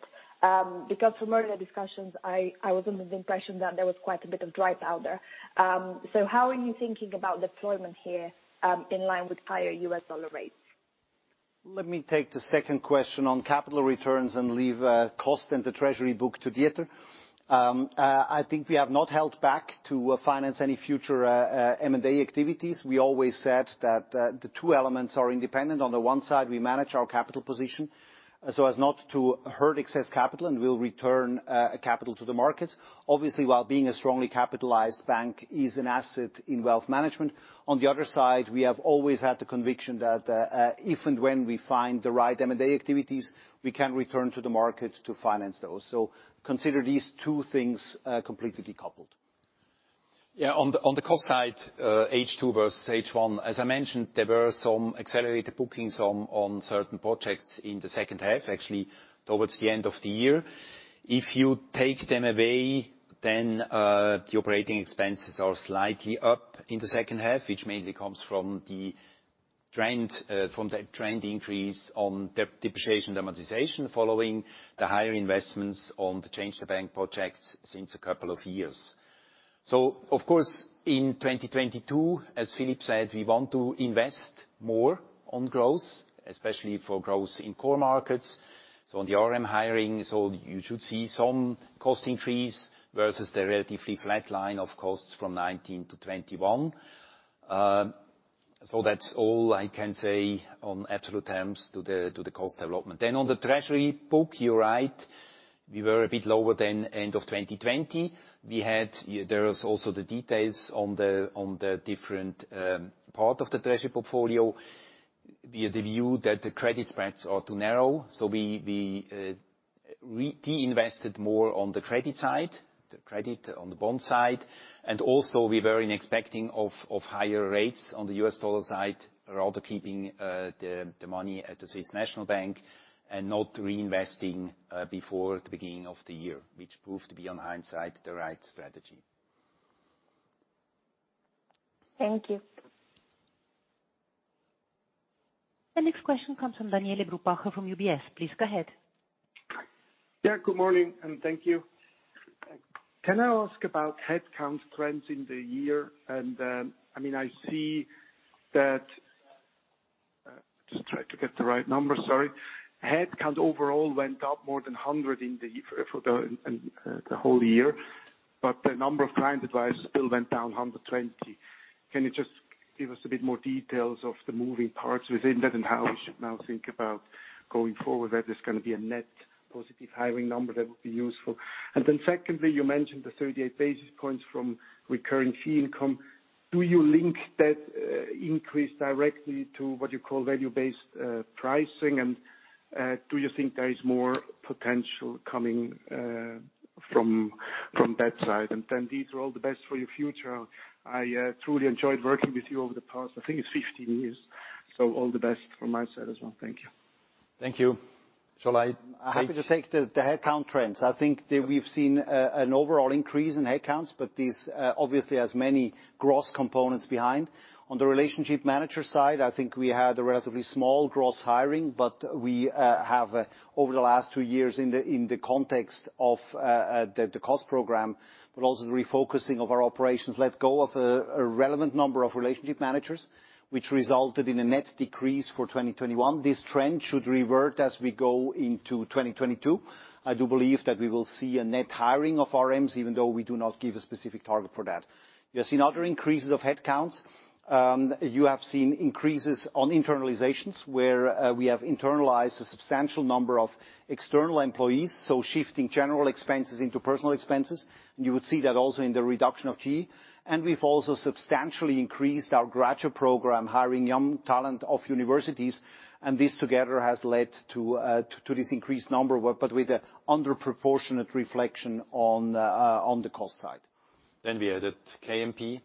because from earlier discussions, I was under the impression that there was quite a bit of dry powder. How are you thinking about deployment here, in line with higher US dollar rates? Let me take the second question on capital returns and leave cost and the treasury book to Dieter. I think we have not held back to finance any future M&A activities. We always said that the two elements are independent. On the one side, we manage our capital position so as not to hoard excess capital, and we'll return capital to the markets. Obviously, while being a strongly capitalized bank is an asset in wealth management. On the other side, we have always had the conviction that if and when we find the right M&A activities, we can return to the market to finance those. Consider these two things completely decoupled. Yeah. On the cost side, H2 versus H1, as I mentioned, there were some accelerated bookings on certain projects in the second half, actually towards the end of the year. If you take them away, then the operating expenses are slightly up in the second half, which mainly comes from the trend increase on depreciation and amortization following the higher investments on the Change the Bank projects since a couple of years. Of course, in 2022, as Philipp said, we want to invest more on growth, especially for growth in core markets. On the RM hiring, you should see some cost increase versus the relatively flat line of costs from 2019 to 2021. That's all I can say on absolute terms to the cost development. On the treasury book, you're right, we were a bit lower than end of 2020. We had. There is also the details on the different part of the treasury portfolio via the view that the credit spreads are too narrow. We reinvested more on the credit side, the credit on the bond side, and also we were expecting higher rates on the US dollar side, rather than keeping the money at the Swiss National Bank and not reinvesting before the beginning of the year, which proved to be in hindsight, the right strategy. Thank you. The next question comes from Daniele Brupbacher from UBS. Please go ahead. Yeah, good morning, and thank you. Can I ask about headcount trends in the year? I mean, I see that. Just try to get the right number, sorry. Headcount overall went up more than 100 in the year for the whole year, but the number of client advisors still went down 120. Can you just give us a bit more details of the moving parts within that and how we should now think about going forward, whether it's gonna be a net positive hiring number that would be useful. Secondly, you mentioned the 38 basis points from recurring fee income. Do you link that increase directly to what you call value-based pricing? Do you think there is more potential coming from that side? Then these are all the best for your future. I truly enjoyed working with you over the past, I think it's 15 years, so all the best from my side as well. Thank you. Thank you. Shall I, Philipp? I'm happy to take the headcount trends. I think that we've seen an overall increase in headcounts, but this obviously has many gross components behind. On the relationship manager side, I think we had a relatively small gross hiring, but we have over the last two years in the context of the cost program, but also the refocusing of our operations, let go of a relevant number of relationship managers, which resulted in a net decrease for 2021. This trend should revert as we go into 2022. I do believe that we will see a net hiring of RMs, even though we do not give a specific target for that. You have seen other increases of headcounts. You have seen increases on internalizations, where we have internalized a substantial number of external employees, so shifting general expenses into personnel expenses. You would see that also in the reduction of G&A. We've also substantially increased our graduate program, hiring young talent from universities, and this together has led to this increased number but with a disproportionate reflection on the cost side. We added KMP.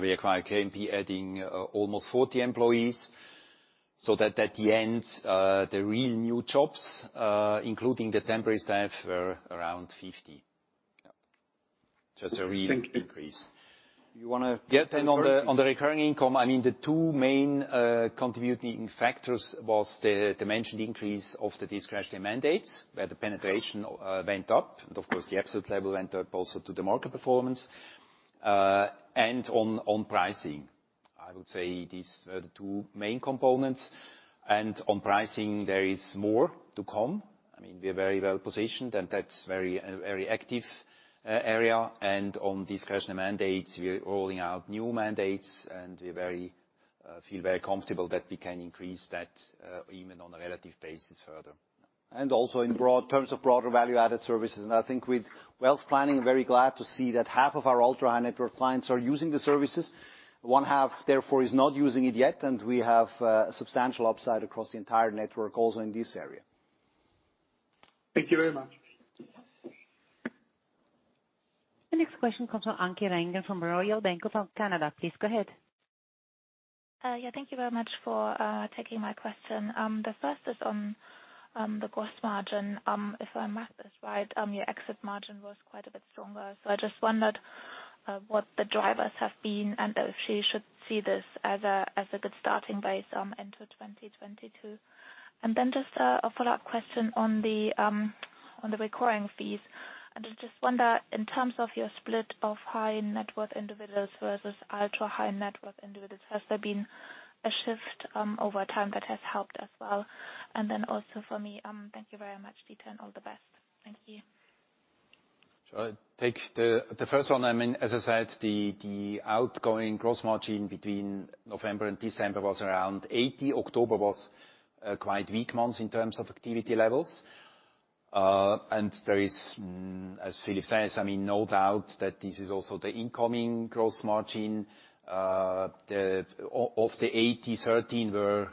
We acquired KMP, adding almost 40 employees. That at the end, the real new jobs, including the temporary staff, were around 50. Just a real increase. Thank you. You wanna take the- Yeah. On the recurring income, I mean the two main contributing factors was the mentioned increase of the discretionary mandates, where the penetration went up. Of course, the absolute level went up due to the market performance. On pricing, I would say these are the two main components. On pricing, there is more to come. I mean, we are very well positioned, and that's a very active area. On discretionary mandates, we're rolling out new mandates, and we feel very comfortable that we can increase that even on a relative basis further. Also in broad terms of broader value-added services. I think with wealth planning, very glad to see that half of our ultra-high-net-worth clients are using the services. One half, therefore, is not using it yet, and we have substantial upside across the entire network also in this area. Thank you very much. The next question comes from Anke Reingen from Royal Bank of Canada. Please go ahead. Yeah, thank you very much for taking my question. The first is on the gross margin. If I math this right, your exit margin was quite a bit stronger. I just wondered what the drivers have been and if you should see this as a good starting base into 2022. Then just a follow-up question on the recurring fees. I just wonder, in terms of your split of high-net-worth individuals versus ultra-high-net-worth individuals, has there been a shift over time that has helped as well? Then also for me, thank you very much, Dieter, and all the best. Thank you. Shall I take the first one? I mean, as I said, the outgoing gross margin between November and December was around 80%. October was a quite weak month in terms of activity levels. As Philipp says, no doubt that this is also the incoming gross margin. Of the 80, 13 were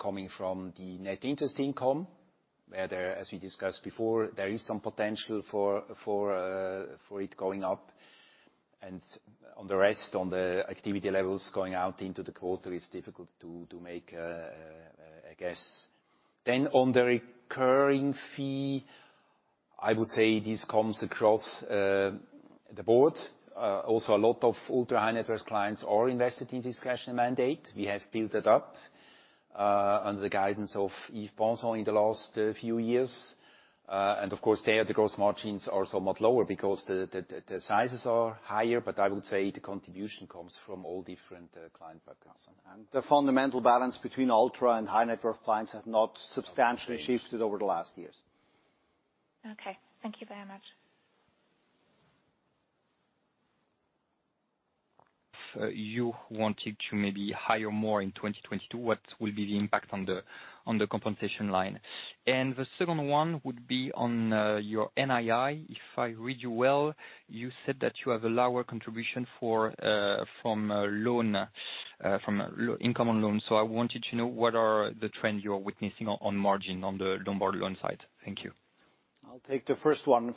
coming from the net interest income, where, as we discussed before, there is some potential for it going up. On the rest, on the activity levels going out into the quarter, it's difficult to make a guess. On the recurring fee, I would say this comes across the board. Also, a lot of ultra-high-net-worth clients are invested in discretionary mandate. We have built it up under the guidance of Yves Robert-Charrue in the last few years. Of course there, the gross margins are somewhat lower because the sizes are higher. I would say the contribution comes from all different client backgrounds. The fundamental balance between ultra-high-net-worth and high-net-worth clients has not substantially shifted over the last years. Okay. Thank you very much. If you wanted to maybe hire more in 2022, what will be the impact on the compensation line? The second one would be on your NII. If I read you well, you said that you have a lower contribution from loan income on loans. I wanted to know what are the trends you're witnessing on margin on the Lombard loan side. Thank you. I'll take the first one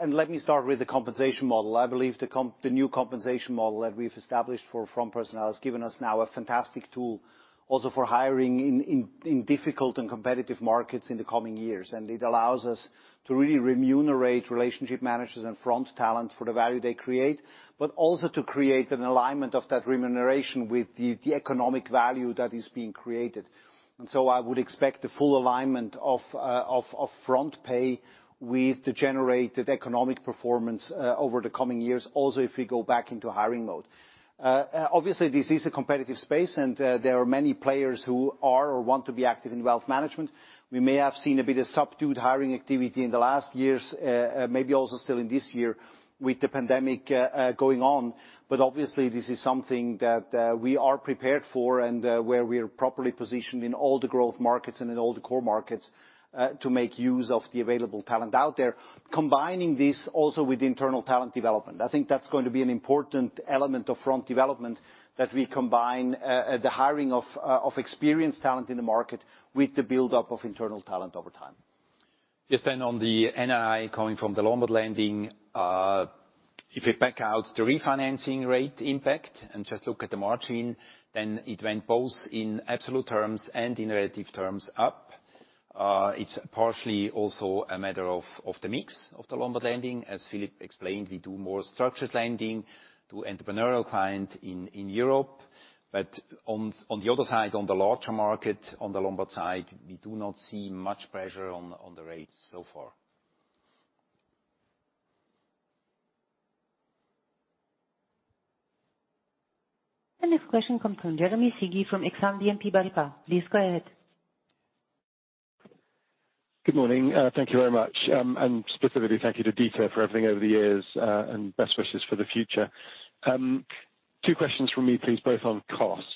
and let me start with the compensation model. I believe the new compensation model that we've established for front personnel has given us now a fantastic tool also for hiring in difficult and competitive markets in the coming years. It allows us to really remunerate relationship managers and front talent for the value they create, but also to create an alignment of that remuneration with the economic value that is being created. I would expect the full alignment of front pay with the generated economic performance over the coming years also if we go back into hiring mode. Obviously, this is a competitive space, and there are many players who are or want to be active in wealth management. We may have seen a bit of subdued hiring activity in the last years, maybe also still in this year with the pandemic going on. Obviously this is something that we are prepared for and where we're properly positioned in all the growth markets and in all the core markets to make use of the available talent out there. Combining this also with internal talent development, I think that's going to be an important element of front development, that we combine the hiring of experienced talent in the market with the buildup of internal talent over time. Yes, on the NII coming from the Lombard lending, if we back out the refinancing rate impact and just look at the margin, it went both in absolute terms and in relative terms up. It's partially also a matter of the mix of the Lombard lending. As Philipp explained, we do more structured lending to entrepreneurial client in Europe. On the other side, on the larger market, on the Lombard side, we do not see much pressure on the rates so far. The next question comes from Jeremy Sigee from Exane BNP Paribas. Please go ahead. Good morning. Thank you very much. Specifically thank you to Dieter for everything over the years, and best wishes for the future. Two questions from me, please, both on costs.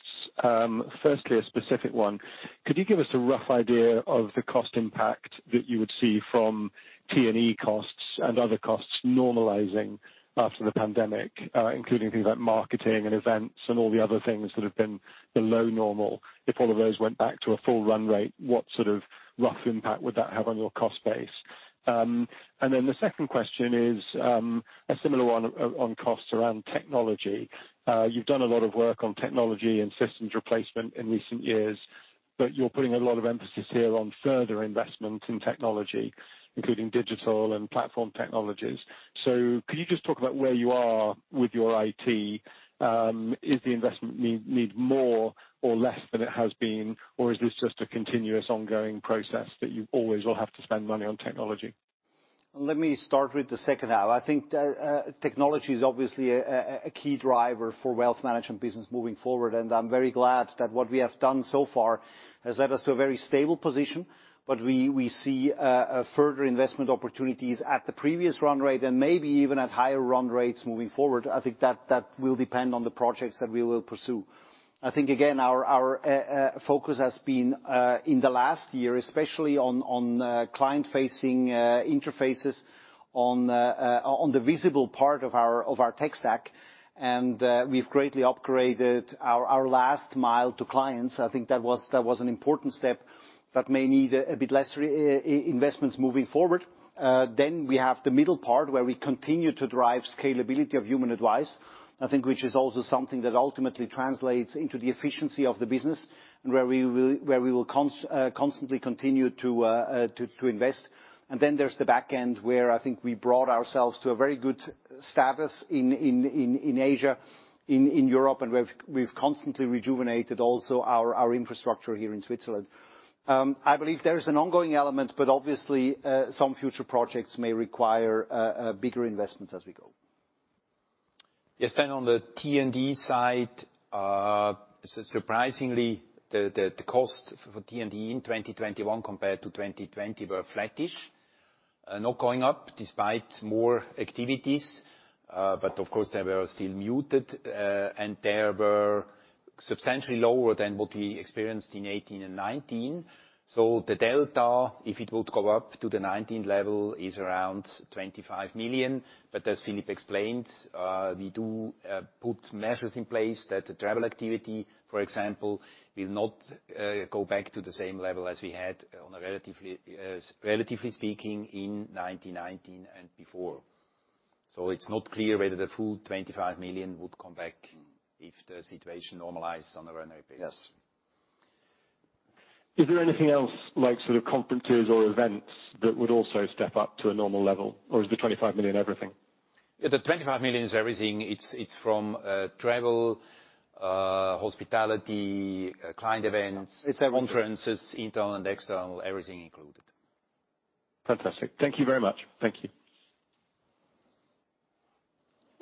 Firstly, a specific one. Could you give us a rough idea of the cost impact that you would see from T&E costs and other costs normalizing after the pandemic, including things like marketing and events and all the other things that have been below normal? If all of those went back to a full run rate, what sort of rough impact would that have on your cost base? Then the second question is, a similar one on costs around technology. You've done a lot of work on technology and systems replacement in recent years, but you're putting a lot of emphasis here on further investment in technology, including digital and platform technologies. Could you just talk about where you are with your IT? Is the investment need more or less than it has been, or is this just a continuous ongoing process that you always will have to spend money on technology? Let me start with the second half. I think technology is obviously a key driver for wealth management business moving forward, and I'm very glad that what we have done so far has led us to a very stable position. We see further investment opportunities at the previous run rate and maybe even at higher run rates moving forward. I think that will depend on the projects that we will pursue. I think again, our focus has been in the last year, especially on client-facing interfaces on the visible part of our tech stack. We've greatly upgraded our last mile to clients. I think that was an important step that may need a bit less investments moving forward. We have the middle part where we continue to drive scalability of human advice, I think, which is also something that ultimately translates into the efficiency of the business and where we will constantly continue to invest. There's the back end, where I think we brought ourselves to a very good status in Asia, in Europe, and we've constantly rejuvenated our infrastructure here in Switzerland. I believe there is an ongoing element, but obviously, some future projects may require bigger investments as we go. Yes. On the T&E side, surprisingly, the cost for T&E in 2021 compared to 2020 were flattish. Not going up despite more activities. Of course, they were still muted, and they were substantially lower than what we experienced in 2018 and 2019. The delta, if it would go up to the 2019 level, is around 25 million. As Philipp explained, we do put measures in place that the travel activity, for example, will not go back to the same level as we had, relatively speaking, in 2019 and before. It's not clear whether the full 25 million would come back if the situation normalizes on a run rate basis. Yes. Is there anything else like sort of conferences or events that would also step up to a normal level, or is the 25 million everything? The 25 million is everything. It's from travel, hospitality, client events. It's everything. conferences, internal and external, everything included. Fantastic. Thank you very much. Thank you.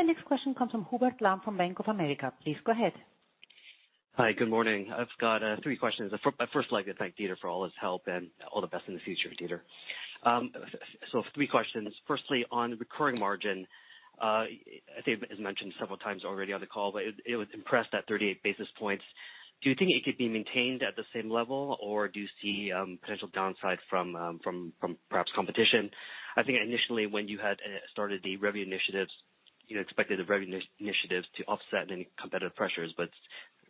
The next question comes from Hubert Lam from Bank of America. Please go ahead. Hi. Good morning. I've got three questions. First, I'd like to thank Dieter for all his help, and all the best in the future, Dieter. So three questions. Firstly, on recurring margin, I think it was mentioned several times already on the call, but it was expressed at 38 basis points. Do you think it could be maintained at the same level, or do you see potential downside from perhaps competition? I think initially when you had started the revenue initiatives. You know, expected a revenue initiative to offset any competitive pressures, but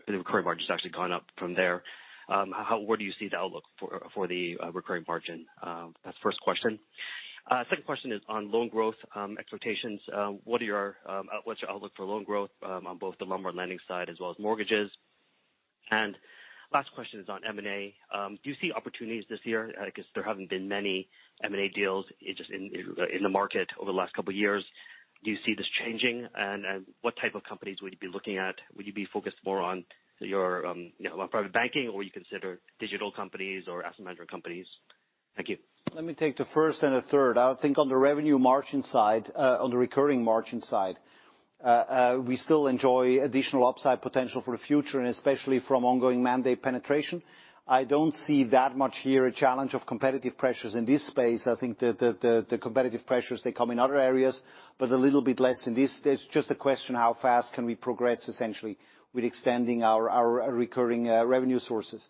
the recurring margin has actually gone up from there. Where do you see the outlook for the recurring margin? That's first question. Second question is on loan growth expectations. What are your, what's your outlook for loan growth, on both the Lombard lending side as well as mortgages? Last question is on M&A. Do you see opportunities this year? Because there haven't been many M&A deals just in the market over the last couple of years. Do you see this changing? What type of companies would you be looking at? Would you be focused more on your, you know, private banking, or you consider digital companies or asset management companies? Thank you. Let me take the first and the third. I think on the revenue margin side, on the recurring margin side, we still enjoy additional upside potential for the future, and especially from ongoing mandate penetration. I don't see that much here, a challenge of competitive pressures in this space. I think the competitive pressures, they come in other areas, but a little bit less in this. There's just a question, how fast can we progress, essentially, with extending our recurring revenue sources.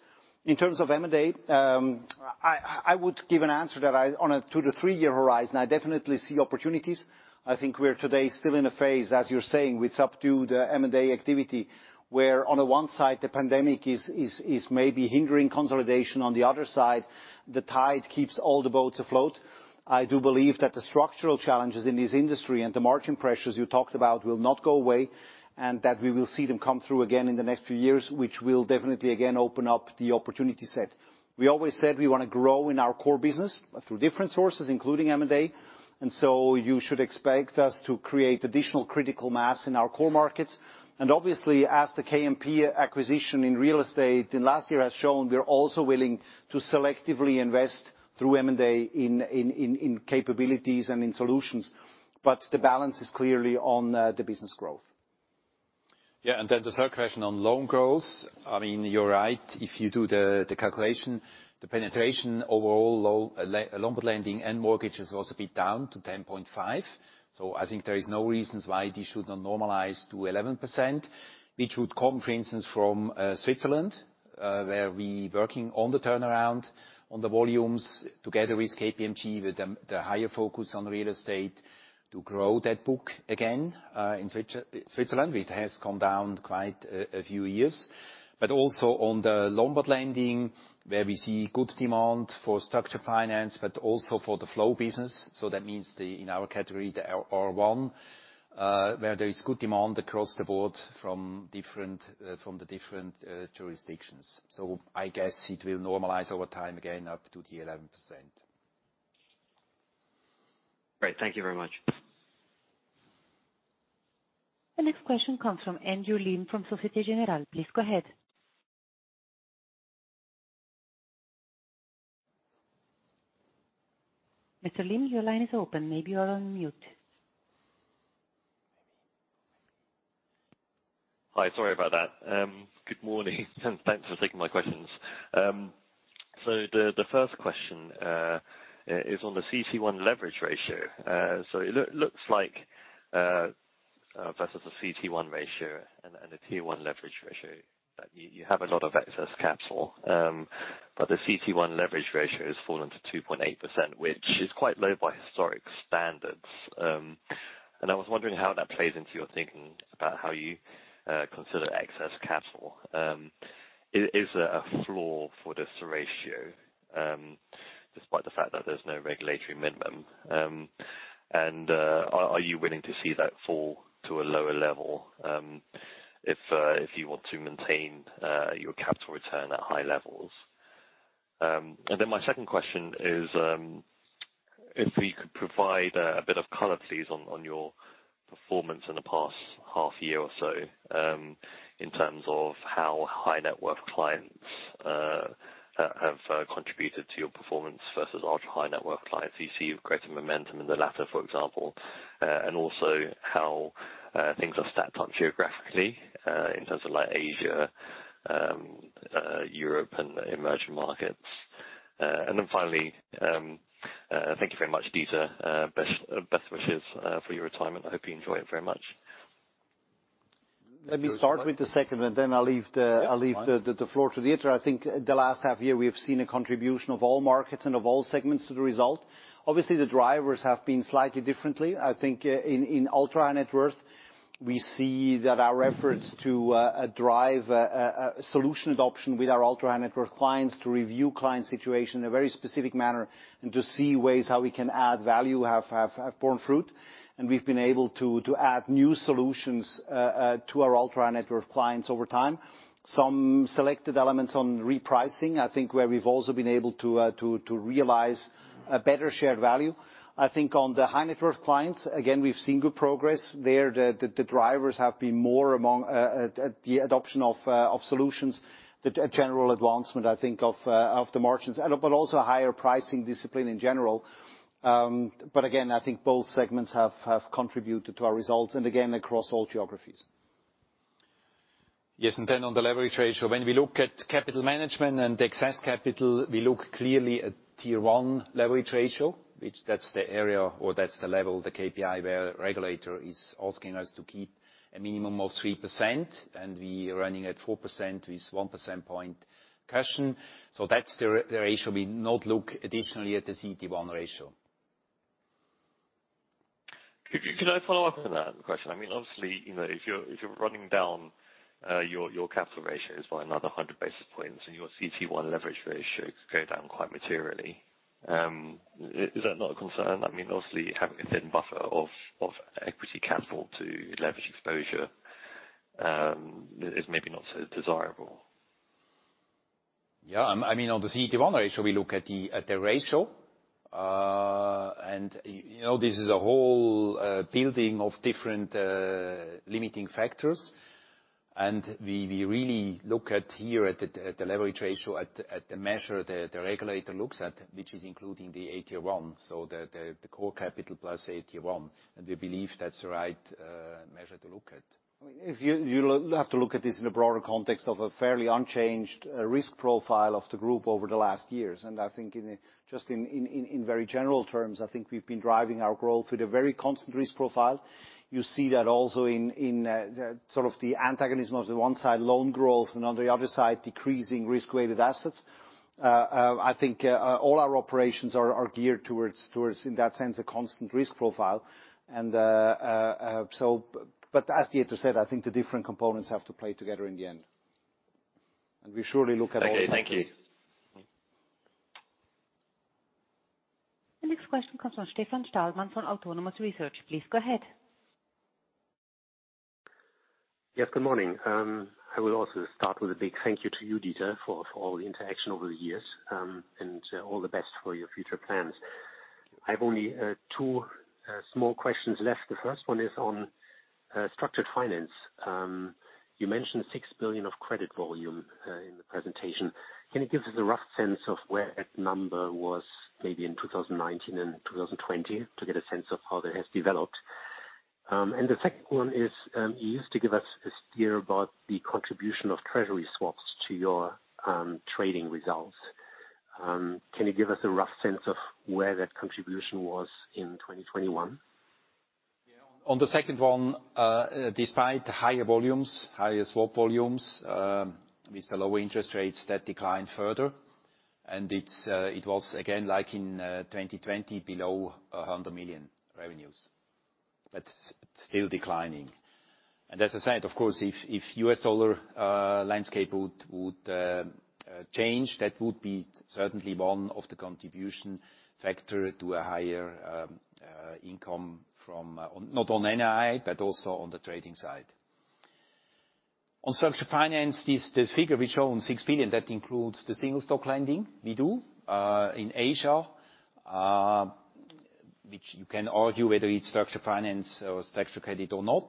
In terms of M&A, I would give an answer that on a 2-3-year horizon, I definitely see opportunities. I think we're today still in a phase, as you're saying, with subdued M&A activity, where on the one side, the pandemic is maybe hindering consolidation, on the other side, the tide keeps all the boats afloat. I do believe that the structural challenges in this industry and the margin pressures you talked about will not go away, and that we will see them come through again in the next few years, which will definitely again open up the opportunity set. We always said we wanna grow in our core business through different sources, including M&A. You should expect us to create additional critical mass in our core markets. Obviously, as the KMP acquisition in real estate in last year has shown, we're also willing to selectively invest through M&A in capabilities and in solutions. The balance is clearly on the business growth. The third question on loan growth. I mean, you're right. If you do the calculation, the penetration overall Lombard lending and mortgages was a bit down to 10.5. I think there is no reasons why this should not normalize to 11%, which would come, for instance, from Switzerland, where we working on the turnaround on the volumes together with KPMG, with the higher focus on real estate to grow that book again, in Switzerland. It has gone down quite a few years. Also on the Lombard lending, where we see good demand for structured finance, but also for the flow business. That means the, in our category, the RR1, where there is good demand across the board from the different jurisdictions. I guess it will normalize over time, again, up to 11%. Great. Thank you very much. The next question comes from Andrew Lim from Société Générale. Please go ahead. Mr. Lim, your line is open. Maybe you are on mute. Hi. Sorry about that. Good morning, and thanks for taking my questions. The first question is on the CET1 leverage ratio. It looks like versus the CET1 ratio and the Tier 1 leverage ratio, that you have a lot of excess capital, but the CET1 leverage ratio has fallen to 2.8%, which is quite low by historic standards. I was wondering how that plays into your thinking about how you consider excess capital. Is there a floor for this ratio, despite the fact that there's no regulatory minimum? Are you willing to see that fall to a lower level, if you want to maintain your capital return at high levels? My second question is, if we could provide a bit of color, please, on your performance in the past half year or so, in terms of how high net worth clients have contributed to your performance versus ultra-high net worth clients. If you see greater momentum in the latter, for example. Also how things are stacked up geographically, in terms of like Asia, Europe and emerging markets. Finally, thank you very much, Dieter. Best wishes for your retirement. I hope you enjoy it very much. Let me start with the second, and then I'll leave the floor to Dieter. I think the last half year, we have seen a contribution of all markets and of all segments to the result. Obviously, the drivers have been slightly different. I think in ultra high net worth, we see that our efforts to drive solution adoption with our ultra high net worth clients to review client situation in a very specific manner and to see ways how we can add value have borne fruit. We've been able to add new solutions to our ultra high net worth clients over time. Some selected elements on repricing, I think, where we've also been able to realize a better shared value. I think on the high net worth clients, again, we've seen good progress. There, the drivers have been more among the adoption of solutions, the general advancement, I think, of the margins, but also higher pricing discipline in general. Again, I think both segments have contributed to our results, and again, across all geographies. Yes, on the leverage ratio. When we look at capital management and excess capital, we look clearly at Tier 1 leverage ratio, which that's the area or that's the level, the KPI, where regulator is asking us to keep a minimum of 3%, and we are running at 4% with one percentage point cushion. So that's the ratio. We do not look additionally at the CET1 ratio. Could I follow up on that question? I mean, obviously, you know, if you're running down your capital ratios by another 100 basis points and your CET1 leverage ratio could go down quite materially, is that not a concern? I mean, obviously, having a thin buffer of equity capital to leverage exposure is maybe not so desirable. Yeah. I mean, on the CET1 ratio, we look at the ratio. You know, this is a whole building of different limiting factors. We really look here at the leverage ratio, at the measure the regulator looks at, which is including the AT1, so the core capital plus AT1. We believe that's the right measure to look at. I mean, if you have to look at this in a broader context of a fairly unchanged risk profile of the group over the last years. I think just in very general terms, I think we've been driving our growth with a very constant risk profile. You see that also in the sort of the antagonism on the one side loan growth and on the other side decreasing risk-weighted assets. I think all our operations are geared towards in that sense a constant risk profile. But as Dieter said, I think the different components have to play together in the end. We surely look at all of that. Okay. Thank you. The next question comes from Stefan Stalmann from Autonomous Research. Please go ahead. Yes, good morning. I will also start with a big thank you to you, Dieter, for all the interaction over the years, and all the best for your future plans. I've only two small questions left. The first one is on structured finance. You mentioned 6 billion of credit volume in the presentation. Can you give us a rough sense of where that number was maybe in 2019 and 2020 to get a sense of how that has developed? The second one is, you used to give us a steer about the contribution of treasury swaps to your trading results. Can you give us a rough sense of where that contribution was in 2021? On the second one, despite higher volumes, higher swap volumes, with the lower interest rates, that declined further, and it was again, like in 2020, below 100 million revenues. That's still declining. As I said, of course, if U.S. dolar landscape would change, that would be certainly one of the contributing factor to a higher income, not on NII, but also on the trading side. On structured finance, the figure we show of 6 billion, that includes the single stock lending we do in Asia, which you can argue whether it's structured finance or structured credit or not.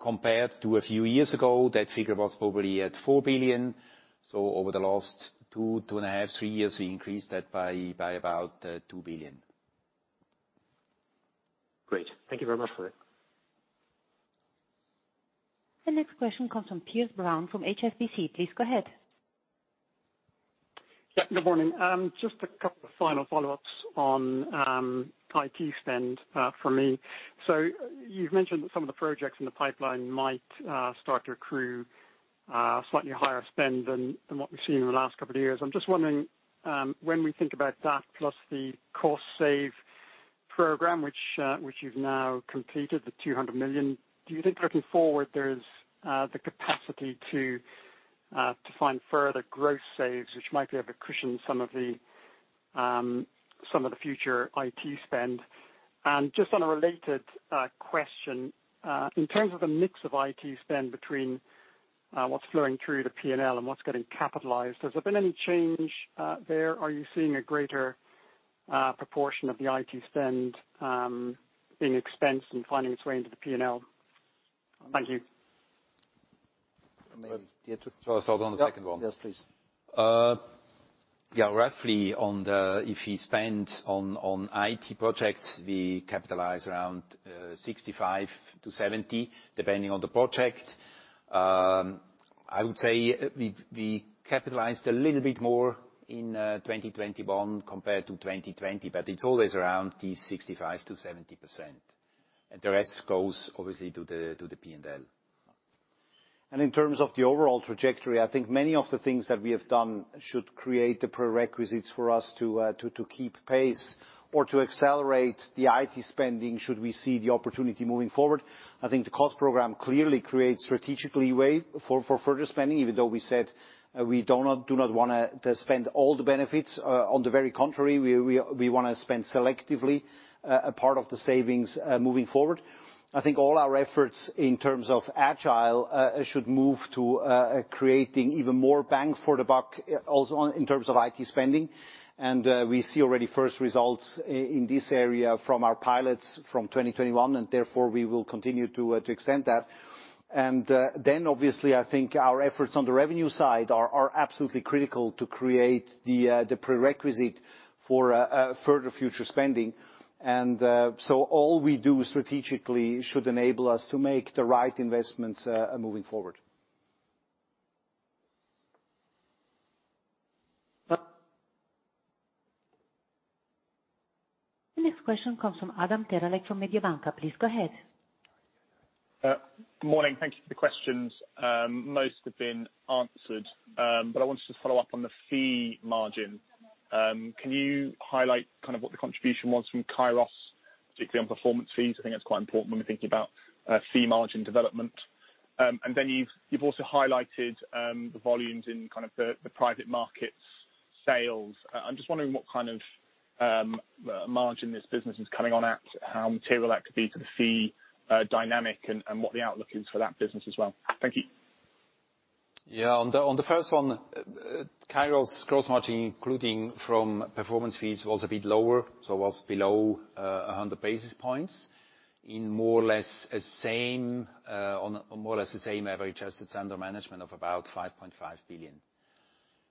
Compared to a few years ago, that figure was probably at 4 billion. Over the last 2.5-3 years, we increased that by about 2 billion. Great. Thank you very much for that. The next question comes from Piers Brown from HSBC. Please go ahead. Yeah, good morning. Just a couple of final follow-ups on IT spend for me. You've mentioned that some of the projects in the pipeline might start to accrue slightly higher spend than what we've seen in the last couple of years. I'm just wondering, when we think about that plus the cost save program, which you've now completed, the 200 million, do you think looking forward, there's the capacity to find further growth saves which might be able to cushion some of the future IT spend? Just on a related question, in terms of the mix of IT spend between what's flowing through to P&L and what's getting capitalized, has there been any change there? Are you seeing a greater proportion of the IT spend being expensed and finding its way into the P&L? Thank you. Maybe Dieter. Shall I start on the second one? Yeah. Yes, please. Yeah. Roughly, if we spend on IT projects, we capitalize around 65%-70%, depending on the project. I would say we capitalized a little bit more in 2021 compared to 2020, but it's always around the 65%-70%. The rest goes obviously to the P&L. In terms of the overall trajectory, I think many of the things that we have done should create the prerequisites for us to keep pace or to accelerate the IT spending should we see the opportunity moving forward. I think the cost program clearly creates strategic leeway for further spending, even though we said we do not wanna spend all the benefits. On the very contrary, we wanna spend selectively a part of the savings moving forward. I think all our efforts in terms of Agile should move to creating even more bang for the buck also in terms of IT spending. We see already first results in this area from our pilots from 2021, and therefore we will continue to extend that. Obviously, I think our efforts on the revenue side are absolutely critical to create the prerequisite for further future spending. All we do strategically should enable us to make the right investments moving forward. The next question comes from Adam Terelak from Mediobanca. Please go ahead. Good morning. Thank you for the questions. Most have been answered, but I wanted to follow up on the fee margin. Can you highlight kind of what the contribution was from Kairos, particularly on performance fees? I think that's quite important when we're thinking about fee margin development. You've also highlighted the volumes in kind of the private markets sales. I'm just wondering what kind of margin this business is coming on at, how material that could be to the fee dynamic and what the outlook is for that business as well. Thank you. Yeah. On the first one, Kairos gross margin, including from performance fees, was a bit lower, so was below a hundred basis points in more or less the same average assets under management of about 5.5 billion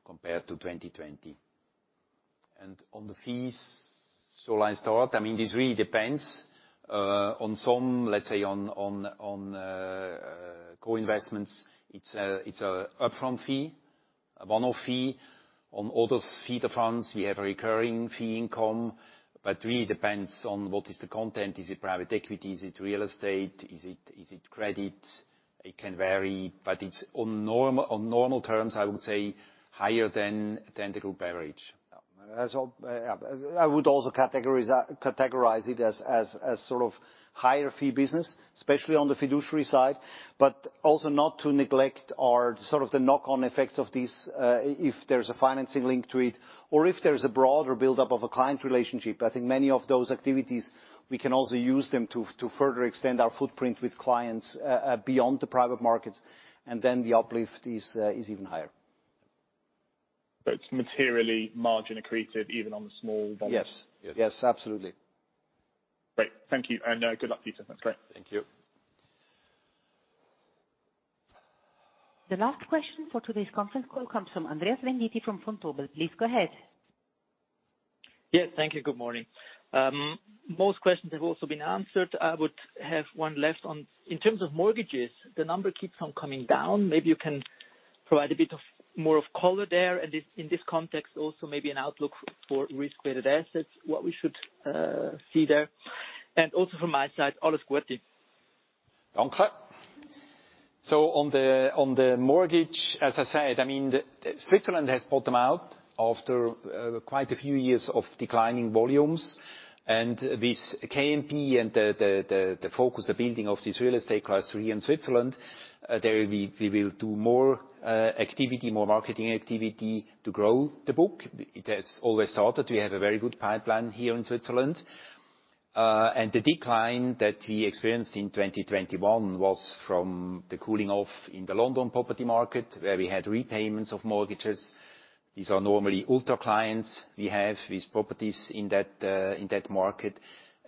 compared to 2020. On the fees, shall I start? I mean, this really depends on some, let's say, co-investments. It's an upfront fee, a one-off fee. On others fee to funds, we have a recurring fee income. Really depends on what is the content. Is it private equity? Is it real estate? Is it credit? It can vary, but it's on normal terms, I would say higher than the group average. As well, I would also categorize it as sort of higher fee business, especially on the fiduciary side, but also not to neglect or sort of the knock on effects of these, if there's a financing link to it or if there's a broader buildup of a client relationship. I think many of those activities we can also use them to further extend our footprint with clients beyond the private markets, and then the uplift is even higher. It's materially margin accretive even on the small volume? Yes. Yes. Yes. Absolutely. Great. Thank you, and good luck to you. Sounds great. Thank you. The last question for today's conference call comes from Andreas Venditti from Vontobel. Please go ahead. Yeah, thank you. Good morning. Most questions have also been answered. I would have one left. In terms of mortgages, the number keeps on coming down. Maybe you can provide a bit more color there. In this context also maybe an outlook for risk-weighted assets, what we should see there. From my side, all is good. Danke. On the mortgage, as I said, I mean, Switzerland has bottomed out after quite a few years of declining volumes. With KMP and the focus, the building of this real estate class three in Switzerland, we will do more activity, more marketing activity to grow the book. We've always thought that we have a very good pipeline here in Switzerland. The decline that we experienced in 2021 was from the cooling off in the London property market, where we had repayments of mortgages. These are normally ultra clients we have with properties in that market,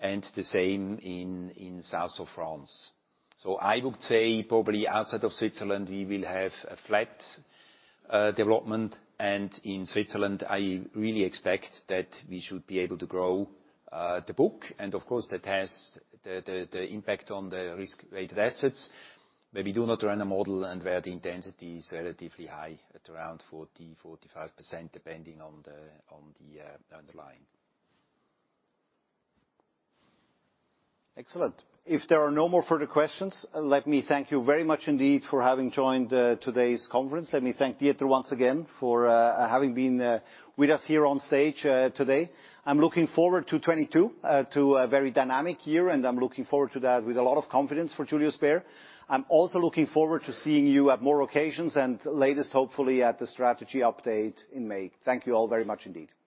and the same in the South of France. I would say probably outside of Switzerland we will have a flat development. In Switzerland, I really expect that we should be able to grow the book. Of course, that has the impact on the risk-weighted assets, where we do not run a model and where the intensity is relatively high at around 40-45%, depending on the underlying. Excellent. If there are no more further questions, let me thank you very much indeed for having joined today's conference. Let me thank Dieter once again for having been with us here on stage today. I'm looking forward to 2022, to a very dynamic year, and I'm looking forward to that with a lot of confidence for Julius Baer. I'm also looking forward to seeing you at more occasions and latest, hopefully at the strategy update in May. Thank you all very much indeed. Thank you.